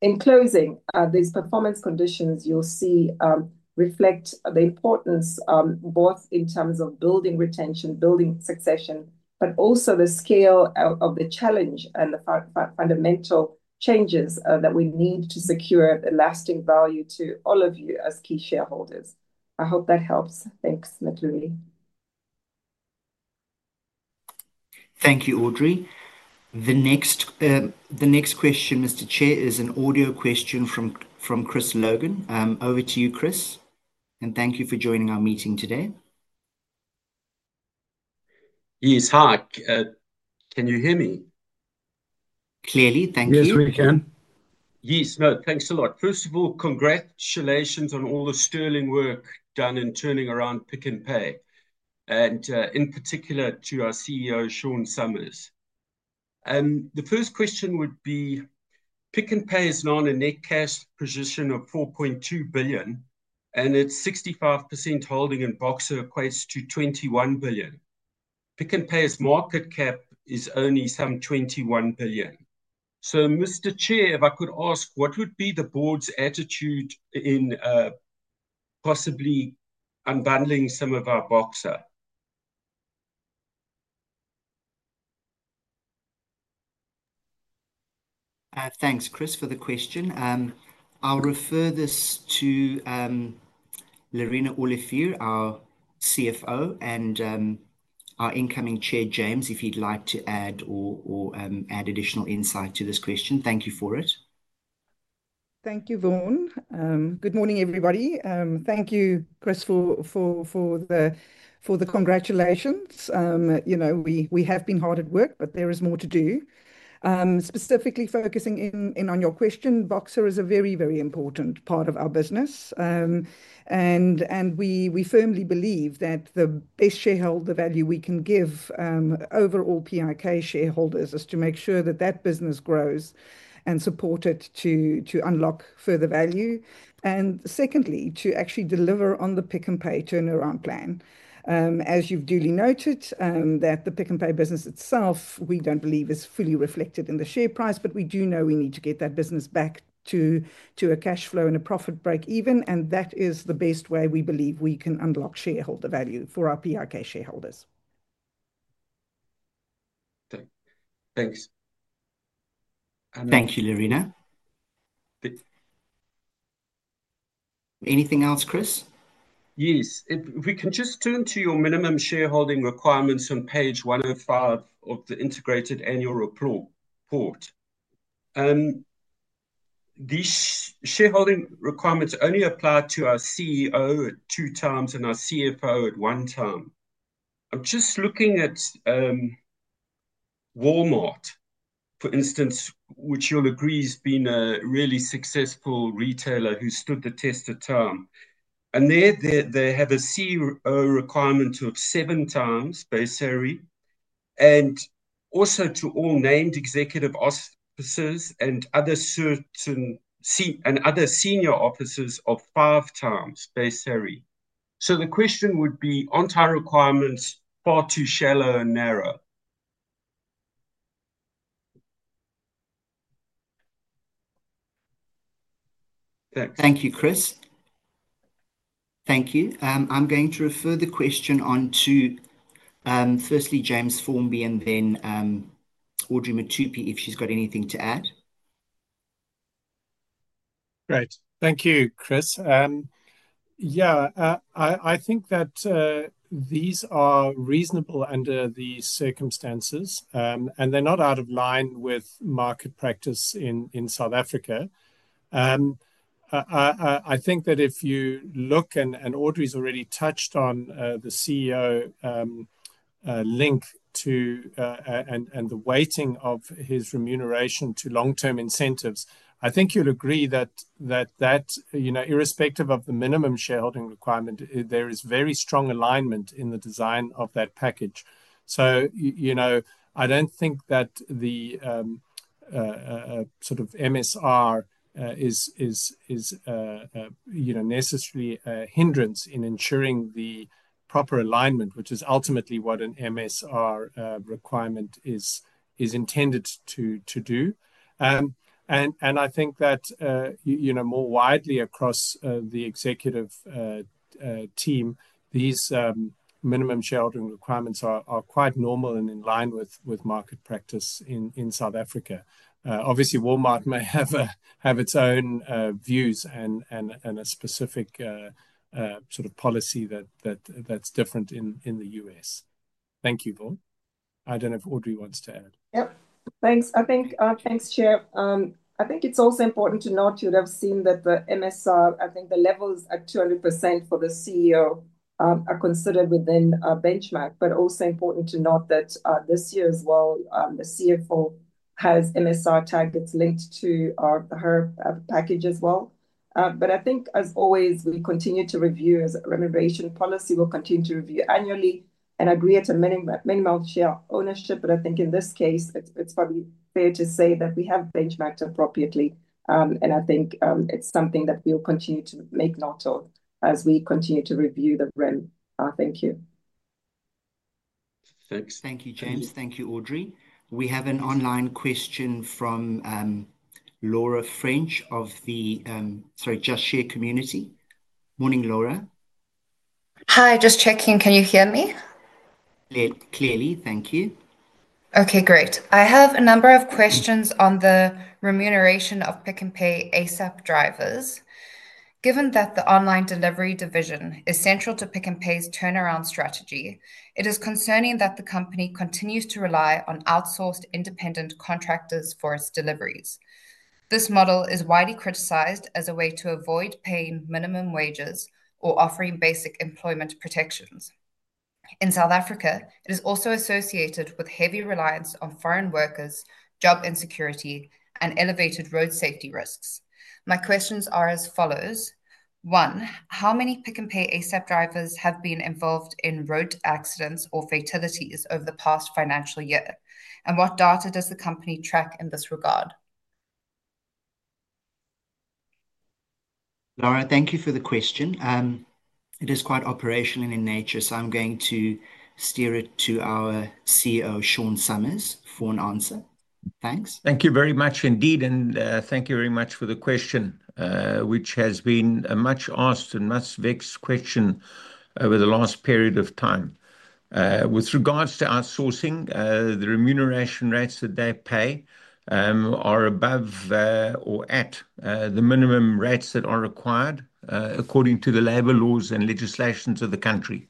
In closing, these performance conditions you'll see reflect the importance both in terms of building retention, building succession, but also the scale of the challenge and the fundamental changes that we need to secure the lasting value to all of you as key shareholders. I hope that helps. Thanks, Ms. Lily. Thank you, Audrey. The next question, Mr. Chair, is an audio question from Chris Logan. Over to you, Chris. Thank you for joining our meeting today. Yes, hi. Can you hear me? Clearly. Thank you. Yes, we can. Yes, no, thanks a lot. First of all, congratulations on all the sterling work done in turning around Pick n Pay, and in particular to our CEO, Sean Summers. The first question would be, Pick n Pay is now in a net cash position of 4.2 billion, and its 65% holding in Boxer equates to 21 billion. Pick n Pay's market cap is only some 21 billion. Mr. Chair, if I could ask, what would be the board's attitude in possibly unbundling some of our Boxer? Thanks, Chris, for the question. I'll refer this to Lerena Olivier, our CFO, and our incoming Chair, James, if you'd like to add or add additional insight to this question. Thank you for it. Thank you, Vaughan. Good morning, everybody. Thank you, Chris, for the congratulations. We have been hard at work, but there is more to do. Specifically focusing in on your question, Boxer is a very, very important part of our business. We firmly believe that the best shareholder value we can give overall Pick n Pay shareholders is to make sure that that business grows and support it to unlock further value. Secondly, to actually deliver on the Pick n Pay turnaround plan. As you've duly noted, the Pick n Pay business itself, we don't believe is fully reflected in the share price, but we do know we need to get that business back to a cash flow and a profit break even, and that is the best way we believe we can unlock shareholder value for our [Pick n Pay] shareholders. Thanks. Thank you, Lerena. Anything else, Chris? Yes, we can just turn to your minimum shareholding requirements on page 105 of the integrated annual report. These shareholding requirements only apply to our CEO at two times and our CFO at one time. I'm just looking at Walmart, for instance, which you'll agree has been a really successful retailer who stood the test of time. There they have a CEO requirement of seven times, basically, and also to all named executive officers and other senior officers of five times, basically. The question would be, aren't our requirements far too shallow and narrow? Thank you, Chris. Thank you. I'm going to refer the question on to firstly James Formby and then Audrey Mothupi if she's got anything to add. Great. Thank you, Chris. Yeah, I think that these are reasonable under the circumstances, and they're not out of line with market practice in South Africa. I think that if you look, and Audrey's already touched on the CEO link to and the weighting of his remuneration to long-term incentives, I think you'll agree that that, you know, irrespective of the minimum shareholding requirement, there is very strong alignment in the design of that package. You know, I don't think that the sort of MSR is a necessary hindrance in ensuring the proper alignment, which is ultimately what an MSR requirement is intended to do. I think that, you know, more widely across the executive team, these minimum shareholding requirements are quite normal and in line with market practice in South Africa. Obviously, Walmart may have its own views and a specific sort of policy that's different in the U.S. Thank you, Vaughan. I don't know if Audrey wants to add. Thanks, Chair. I think it's also important to note, you'd have seen that the MSR, I think the levels at 200% for the CEO are considered within our benchmark. It's also important to note that this year as well, the CFO has MSR targets linked to her package as well. As always, we continue to review as a remuneration policy, we'll continue to review annually and agree to minimal share ownership. In this case, it's probably fair to say that we have benchmarked appropriately. I think it's something that we'll continue to make note of as we continue to review the REM. Thank you. Thanks. Thank you, James. Thank you, Audrey. We have an online question from Lara French of the sorry, Just Share Community. Morning, Laura. Hi, just checking. Can you hear me? Yes. Clearly. Thank you. Okay, great. I have a number of questions on the remuneration of Pick n Pay ASAP! drivers. Given that the online delivery division is central to Pick n Pay's turnaround strategy, it is concerning that the company continues to rely on outsourced independent contractors for its deliveries. This model is widely criticized as a way to avoid paying minimum wages or offering basic employment protections. In South Africa, it is also associated with heavy reliance on foreign workers, job insecurity, and elevated road safety risks. My questions are as follows. One, how many Pick n Pay ASAP! drivers have been involved in road accidents or fatalities over the past financial year? What data does the company track in this regard? Laura, thank you for the question. It is quite operational in nature, so I'm going to steer it to our CEO, Sean Summers, for an answer. Thanks. Thank you very much indeed, and thank you very much for the question, which has been a much asked and much vexed question over the last period of time. With regards to outsourcing, the remuneration rates that they pay are above or at the minimum rates that are required according to the labor laws and legislations of the country.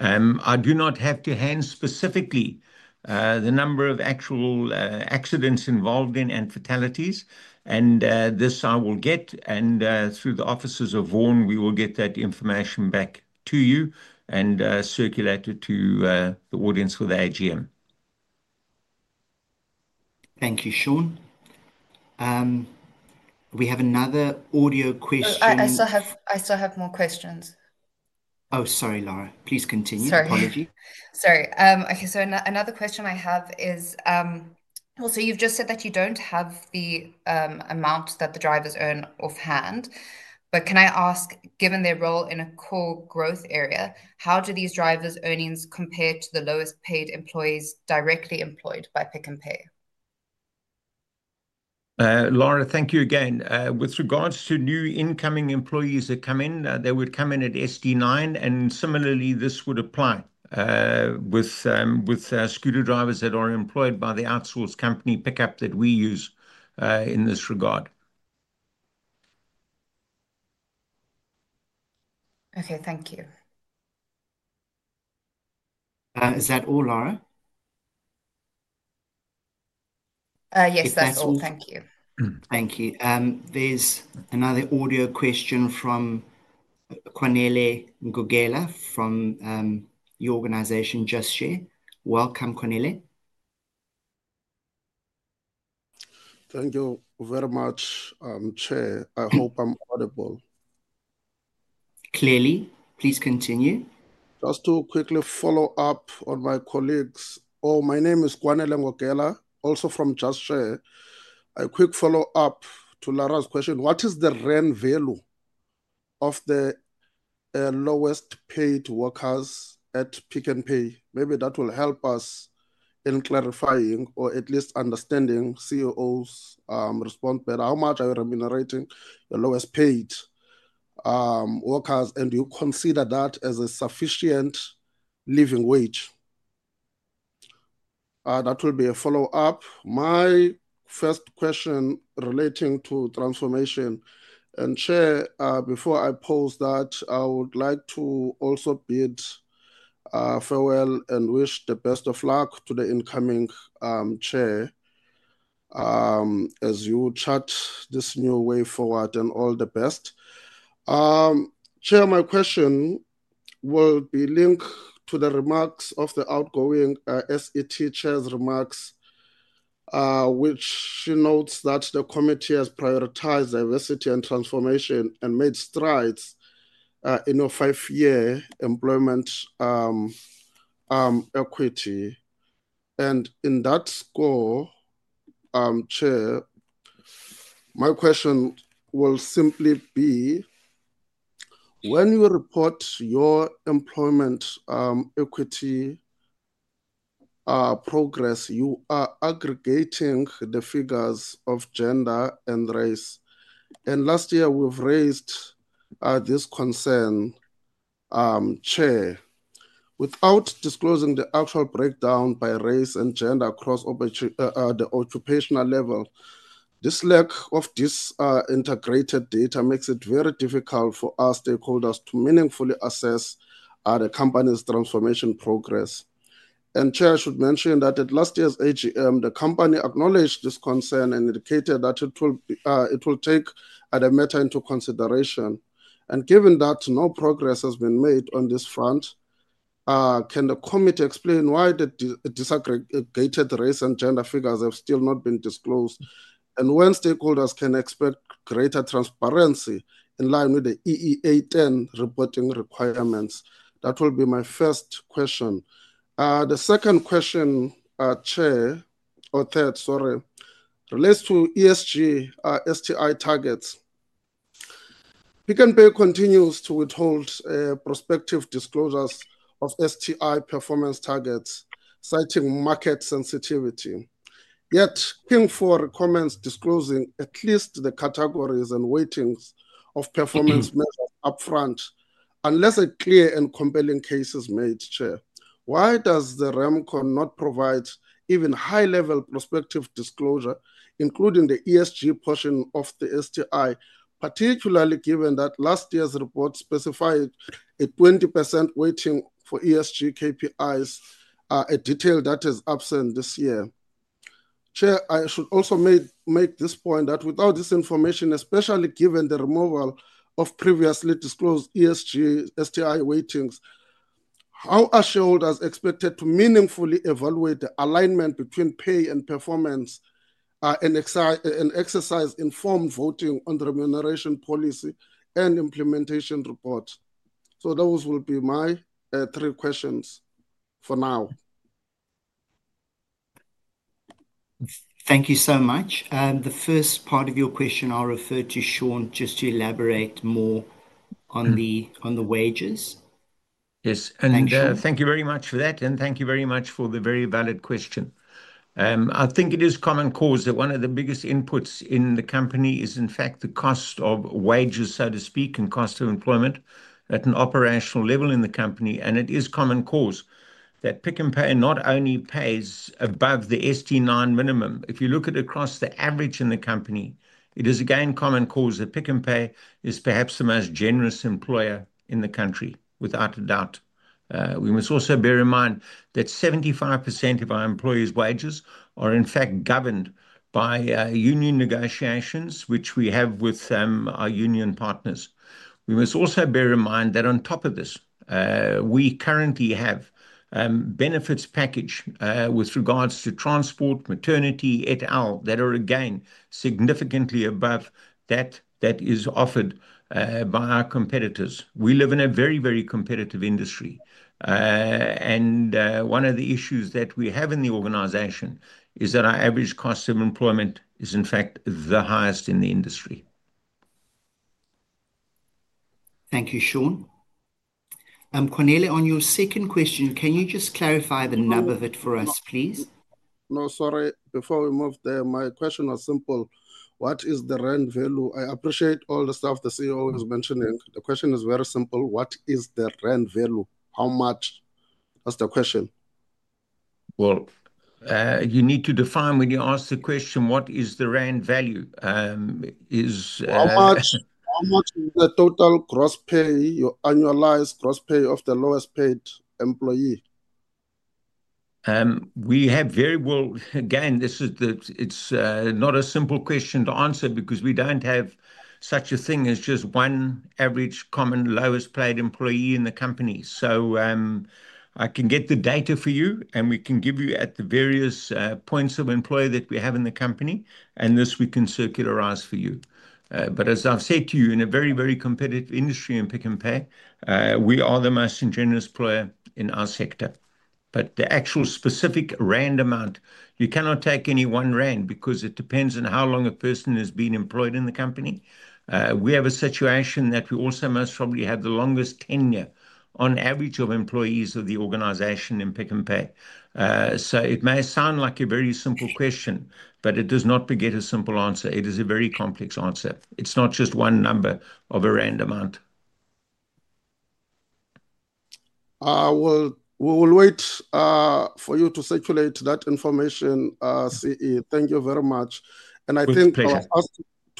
I do not have to hand specifically the number of actual accidents involved in and fatalities, and this I will get, and through the offices of Vaughan, we will get that information back to you and circulate it to the audience for the AGM. Thank you, Sean. We have another audio question. I still have more questions. Oh, sorry, Lara. Please continue. Apologies. Sorry. Okay, another question I have is, you've just said that you don't have the amount that the drivers earn offhand, but can I ask, given their role in a core growth area, how do these drivers' earnings compare to the lowest paid employees directly employed by Pick n Pay? Lara, thank you again. With regards to new incoming employees that come in, they would come in at SD9, and similarly, this would apply with scooter drivers that are employed by the outsourced company [pick up ] that we use in this regard. Okay, thank you. Is that all, Lara? Yes, that's all. Thank you. Thank you. There's another audio question from Kwanele Ngogela from the organization Just Share. Welcome, Kwanele. Thank you very much, Chair. I hope I'm audible. Clearly, please continue. Just to quickly follow up on my colleagues, my name is Kwanele Ngogela, also from Just Share. A quick follow-up to Laura's question. What is the REM value of the lowest paid workers at Pick n Pay? Maybe that will help us in clarifying or at least understanding CEO's response better. How much are you remunerating the lowest paid workers, and do you consider that as a sufficient living wage? That will be a follow-up. My first question relating to transformation. Chair, before I pose that, I would like to also bid farewell and wish the best of luck to the incoming Chair as you chart this new way forward and all the best. Chair, my question will be linked to the remarks of the outgoing SET Chair's remarks, which she notes that the committee has prioritized diversity and transformation and made strides in your five-year employment equity. In that score, Chair, my question will simply be, when you report your employment equity progress, you are aggregating the figures of gender and race. Last year, we've raised this concern, Chair. Without disclosing the actual breakdown by race and gender across the occupational level, this lack of this integrated data makes it very difficult for our stakeholders to meaningfully assess the company's transformation progress. Chair, I should mention that at last year's AGM, the company acknowledged this concern and indicated that it will take the matter into consideration. Given that no progress has been made on this front, can the committee explain why the disaggregated race and gender figures have still not been disclosed? When stakeholders can expect greater transparency in line with the EEA10 reporting requirements? That will be my first question. The second question, Chair, or third, sorry, relates to ESG STI targets. Pick n Pay continues to withhold prospective disclosures of STI performance targets, citing market sensitivity. Yet, King IV recommends disclosing at least the categories and weightings of performance upfront unless a clear and compelling case is made, Chair. Why does the RemCom not provide even high-level prospective disclosure, including the ESG portion of the STI, particularly given that last year's report specified a 20% weighting for ESG KPIs, a detail that is absent this year? Chair, I should also make this point that without this information, especially given the removal of previously disclosed ESG STI weightings, how are shareholders expected to meaningfully evaluate the alignment between pay and performance and exercise informed voting on the remuneration policy and implementation report? Those will be my three questions for now. Thank you so much. The first part of your question, I'll refer to Sean just to elaborate more on the wages. Yes, and thank you very much for that, and thank you very much for the very valid question. I think it is common cause that one of the biggest inputs in the company is, in fact, the cost of wages, so to speak, and cost of employment at an operational level in the company. It is common cause that Pick n Pay not only pays above the SD9 minimum. If you look at across the average in the company, it is again common cause that Pick n Pay is perhaps the most generous employer in the country, without a doubt. We must also bear in mind that 75% of our employees' wages are, in fact, governed by union negotiations, which we have with our union partners. We must also bear in mind that on top of this, we currently have a benefits package with regards to transport, maternity, et al., that are again significantly above that that is offered by our competitors. We live in a very, very competitive industry. One of the issues that we have in the organization is that our average cost of employment is, in fact, the highest in the industry. Thank you, Sean. Kwanele, on your second question, can you just clarify the nub of it for us, please? No, sorry. Before we move there, my question is simple. What is the REM value? I appreciate all the stuff the CEO is mentioning. The question is very simple. What is the REM value? How much? That's the question. You need to define when you ask the question, what is the REM value? How much is the total gross pay? Your annualized gross pay of the lowest paid employee. Again, this is not a simple question to answer because we don't have such a thing as just one average common lowest paid employee in the company. I can get the data for you and we can give you at the various points of employee that we have in the company, and this we can circularize for you. As I've said to you, in a very, very competitive industry in Pick n Pay, we are the most ingenuous player in our sector. The actual specific rand amount, you cannot take any one rand because it depends on how long a person has been employed in the company. We have a situation that we also most probably have the longest tenure on average of employees of the organization in Pick n Pay. It may sound like a very simple question, but it does not beget a simple answer. It is a very complex answer. It's not just one number of a rand amount. We will wait for you to circulate that information, CE. Thank you very much. I think,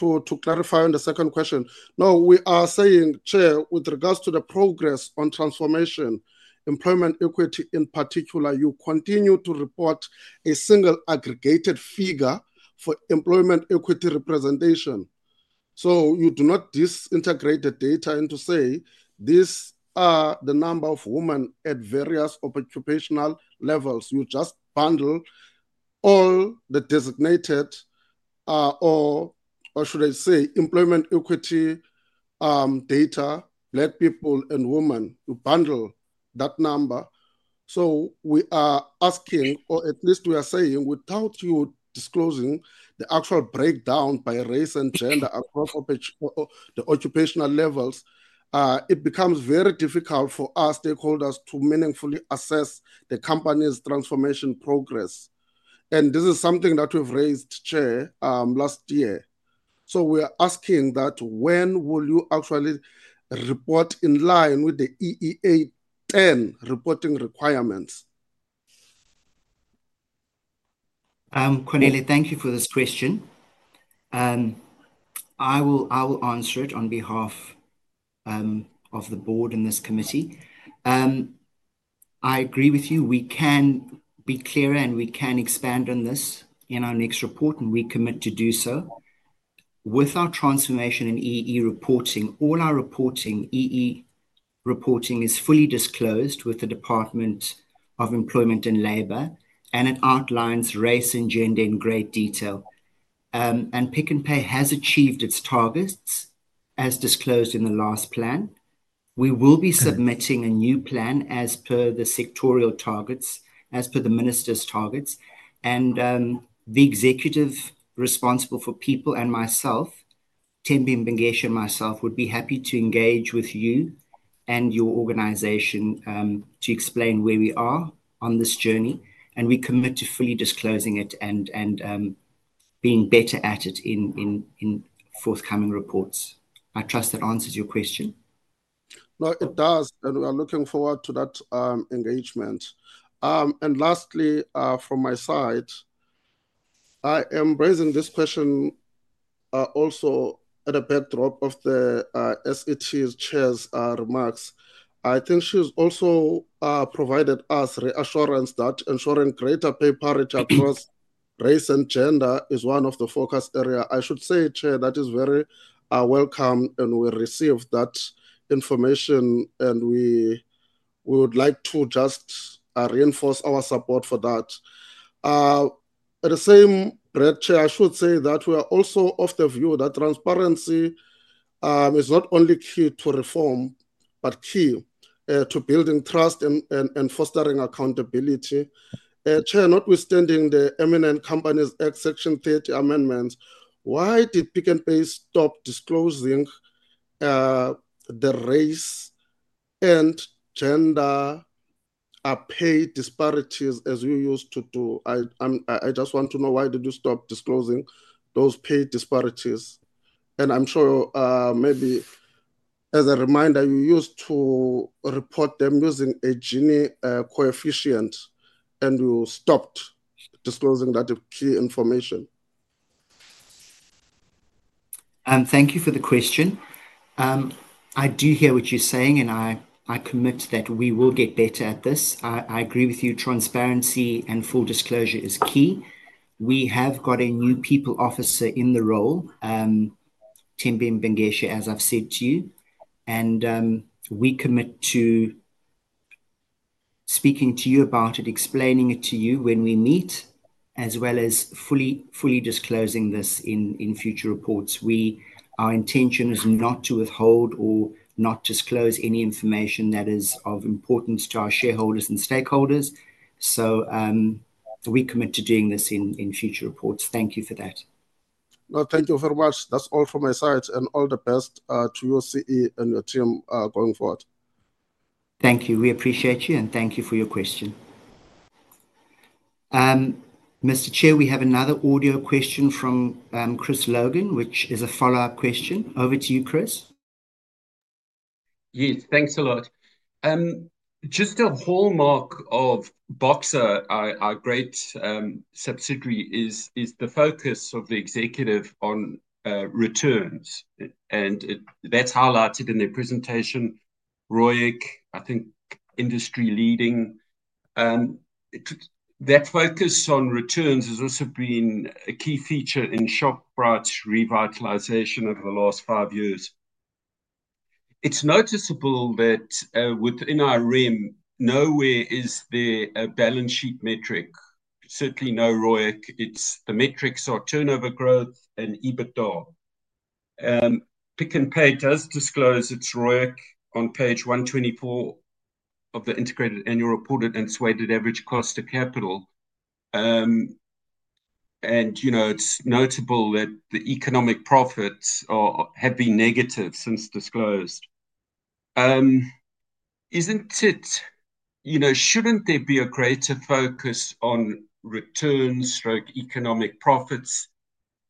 to clarify on the second question, no, we are saying, Chair, with regards to the progress on transformation, employment equity in particular, you continue to report a single aggregated figure for employment equity representation. You do not disintegrate the data and say, these are the number of women at various occupational levels. You just bundle all the designated, or should I say, employment equity data, black people and women, you bundle that number. We are asking, or at least we are saying, without you disclosing the actual breakdown by race and gender across the occupational levels, it becomes very difficult for our stakeholders to meaningfully assess the company's transformation progress. This is something that we've raised, Chair, last year. We are asking, when will you actually report in line with the EEA10 reporting requirements? Cornelia, thank you for this question. I will answer it on behalf of the board in this committee. I agree with you. We can be clearer, and we can expand on this in our next report, and we commit to do so. With our transformation in EE reporting, all our reporting, EE reporting is fully disclosed with the Department of Employment and Labor, and it outlines race and gender in great detail. Pick n Pay has achieved its targets as disclosed in the last plan. We will be submitting a new plan as per the sectorial targets, as per the minister's targets, and the executive responsible for people and myself, Thembi Mbengashe and myself, would be happy to engage with you and your organization to explain where we are on this journey. We commit to fully disclosing it and being better at it in forthcoming reports. I trust that answers your question. No, it does. We are looking forward to that engagement. Lastly, from my side, I am raising this question also at a bedrock of the SET's Chair's remarks. I think she's also provided us reassurance that ensuring greater pay parity across race and gender is one of the focus areas. I should say, Chair, that is very welcome and we receive that information and we would like to just reinforce our support for that. At the same rate, Chair, I should say that we are also of the view that transparency is not only key to reform, but key to building trust and fostering accountability. Chair, notwithstanding the imminent company's ex-section 30 amendments, why did Pick n Pay stop disclosing the race and gender pay disparities as you used to do? I just want to know why did you stop disclosing those pay disparities? I'm sure, maybe as a reminder, you used to report them using a Gini coefficient and you stopped disclosing that key information. Thank you for the question. I do hear what you're saying, and I commit that we will get better at this. I agree with you, transparency and full disclosure is key. We have got a new People Officer in the role, Tembhi Mbengashe, as I've said to you, and we commit to speaking to you about it, explaining it to you when we meet, as well as fully disclosing this in future reports. Our intention is not to withhold or not disclose any information that is of importance to our shareholders and stakeholders. We commit to doing this in future reports. Thank you for that. No, thank you very much. That's all from my side, and all the best to your CEO and your team going forward. Thank you. We appreciate you, and thank you for your question. Mr. Chair, we have another audio question from Chris Logan, which is a follow-up question. Over to you, Chris. Yes, thanks a lot. Just a hallmark of Boxer, our great subsidiary, is the focus of the executive on returns, and that's highlighted in their presentation. Really, I think, industry leading. That focus on returns has also been a key feature in ShopRite's revitalization over the last five years. It's noticeable that within our realm, nowhere is the balance sheet metric, certainly no ROIC. It's a metric, so turnover growth and EBITDA. Pick n Pay does disclose its ROIC on page 124 of the integrated annual report and sweated average cost of capital, and you know it's notable that the economic profits have been negative since disclosed. Isn't it, you know, shouldn't there be a greater focus on returns or economic profits?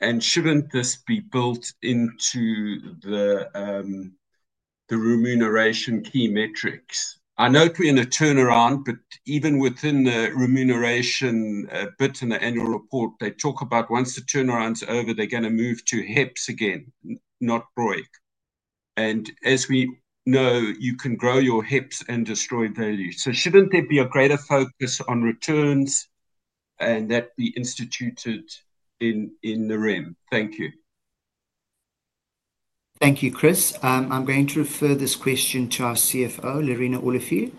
And shouldn't this be built into the remuneration key metrics? I know we're in a turnaround, but even within the remuneration bit in the annual report, they talk about once the turnaround's over, they're going to move to HEPS again, not ROIC. As we know, you can grow your HEPS and destroy value. Shouldn't there be a greater focus on returns and that be instituted in the REM? Thank you. Thank you, Chris. I'm going to refer this question to our CFO, Lerena Olivier.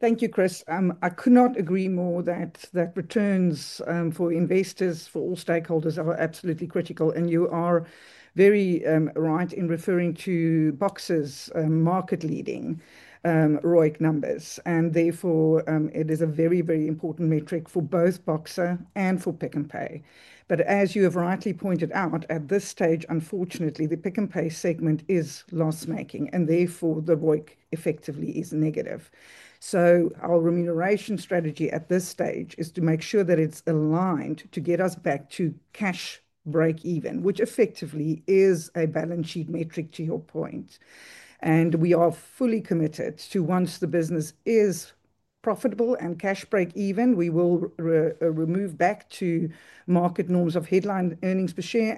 Thank you, Chris. I could not agree more that returns for investors, for all stakeholders, are absolutely critical. You are very right in referring to Boxer's market-leading ROIC numbers. Therefore, it is a very, very important metric for both Boxer and for Pick n Pay. As you have rightly pointed out, at this stage, unfortunately, the Pick n Pay segment is loss-making and therefore the ROIC effectively is negative. Our remuneration strategy at this stage is to make sure that it's aligned to get us back to cash break-even, which effectively is a balance sheet metric to your point. We are fully committed to once the business is profitable and cash break-even, we will move back to market norms of headline earnings per share.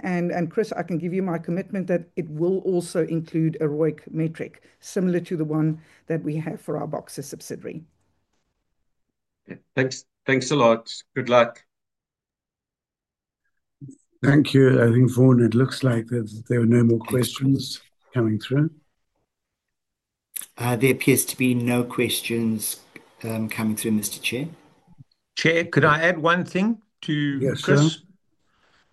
Chris, I can give you my commitment that it will also include a ROIC metric similar to the one that we have for our Boxer subsidiary. Thanks a lot. Good luck. Thank you. I think, Vaughan, it looks like there are no more questions coming through. There appears to be no questions coming through, Mr. Chair. Chair, could I add one thing to Chris? Yes,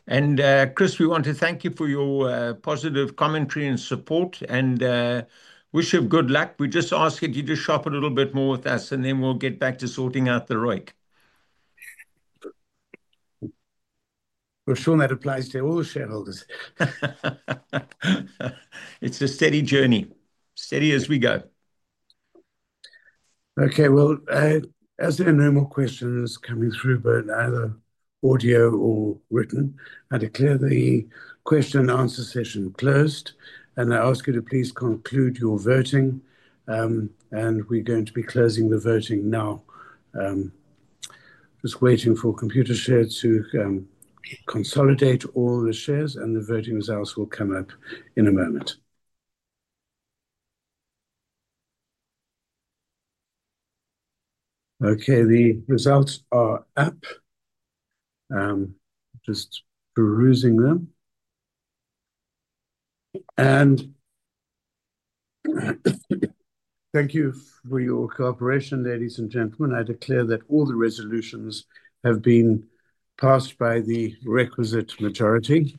please. Chris, we want to thank you for your positive commentary and support and wish you good luck. We just ask that you shop a little bit more with us and then we'll get back to sorting out the ROIC. Sean, that applies to all shareholders. It's a steady journey. Steady as we go. As there are no more questions coming through, either audio or written, I declare the question and answer session closed and I ask you to please conclude your voting. We are going to be closing the voting now. Just waiting for Computershare to consolidate all the shares and the voting results will come up in a moment. The results are up. Just perusing them. Thank you for your cooperation, ladies and gentlemen. I declare that all the resolutions have been passed by the requisite majority.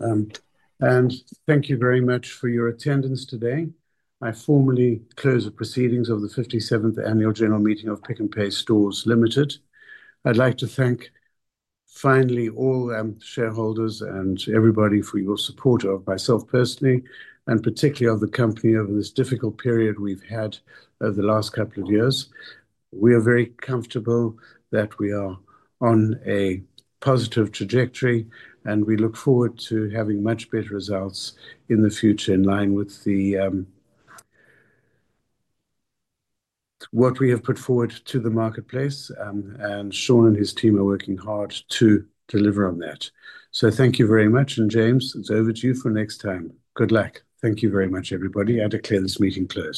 Thank you very much for your attendance today. I formally close the proceedings of the 57th Annual General Meeting of Pick n Pay Stores Ltd. I'd like to thank, finally, all shareholders and everybody for your support of myself personally and particularly of the company over this difficult period we've had over the last couple of years. We are very comfortable that we are on a positive trajectory and we look forward to having much better results in the future in line with what we have put forward to the marketplace. Sean and his team are working hard to deliver on that. Thank you very much. James, it's over to you for next time. Good luck. Thank you very much, everybody. I declare this meeting closed.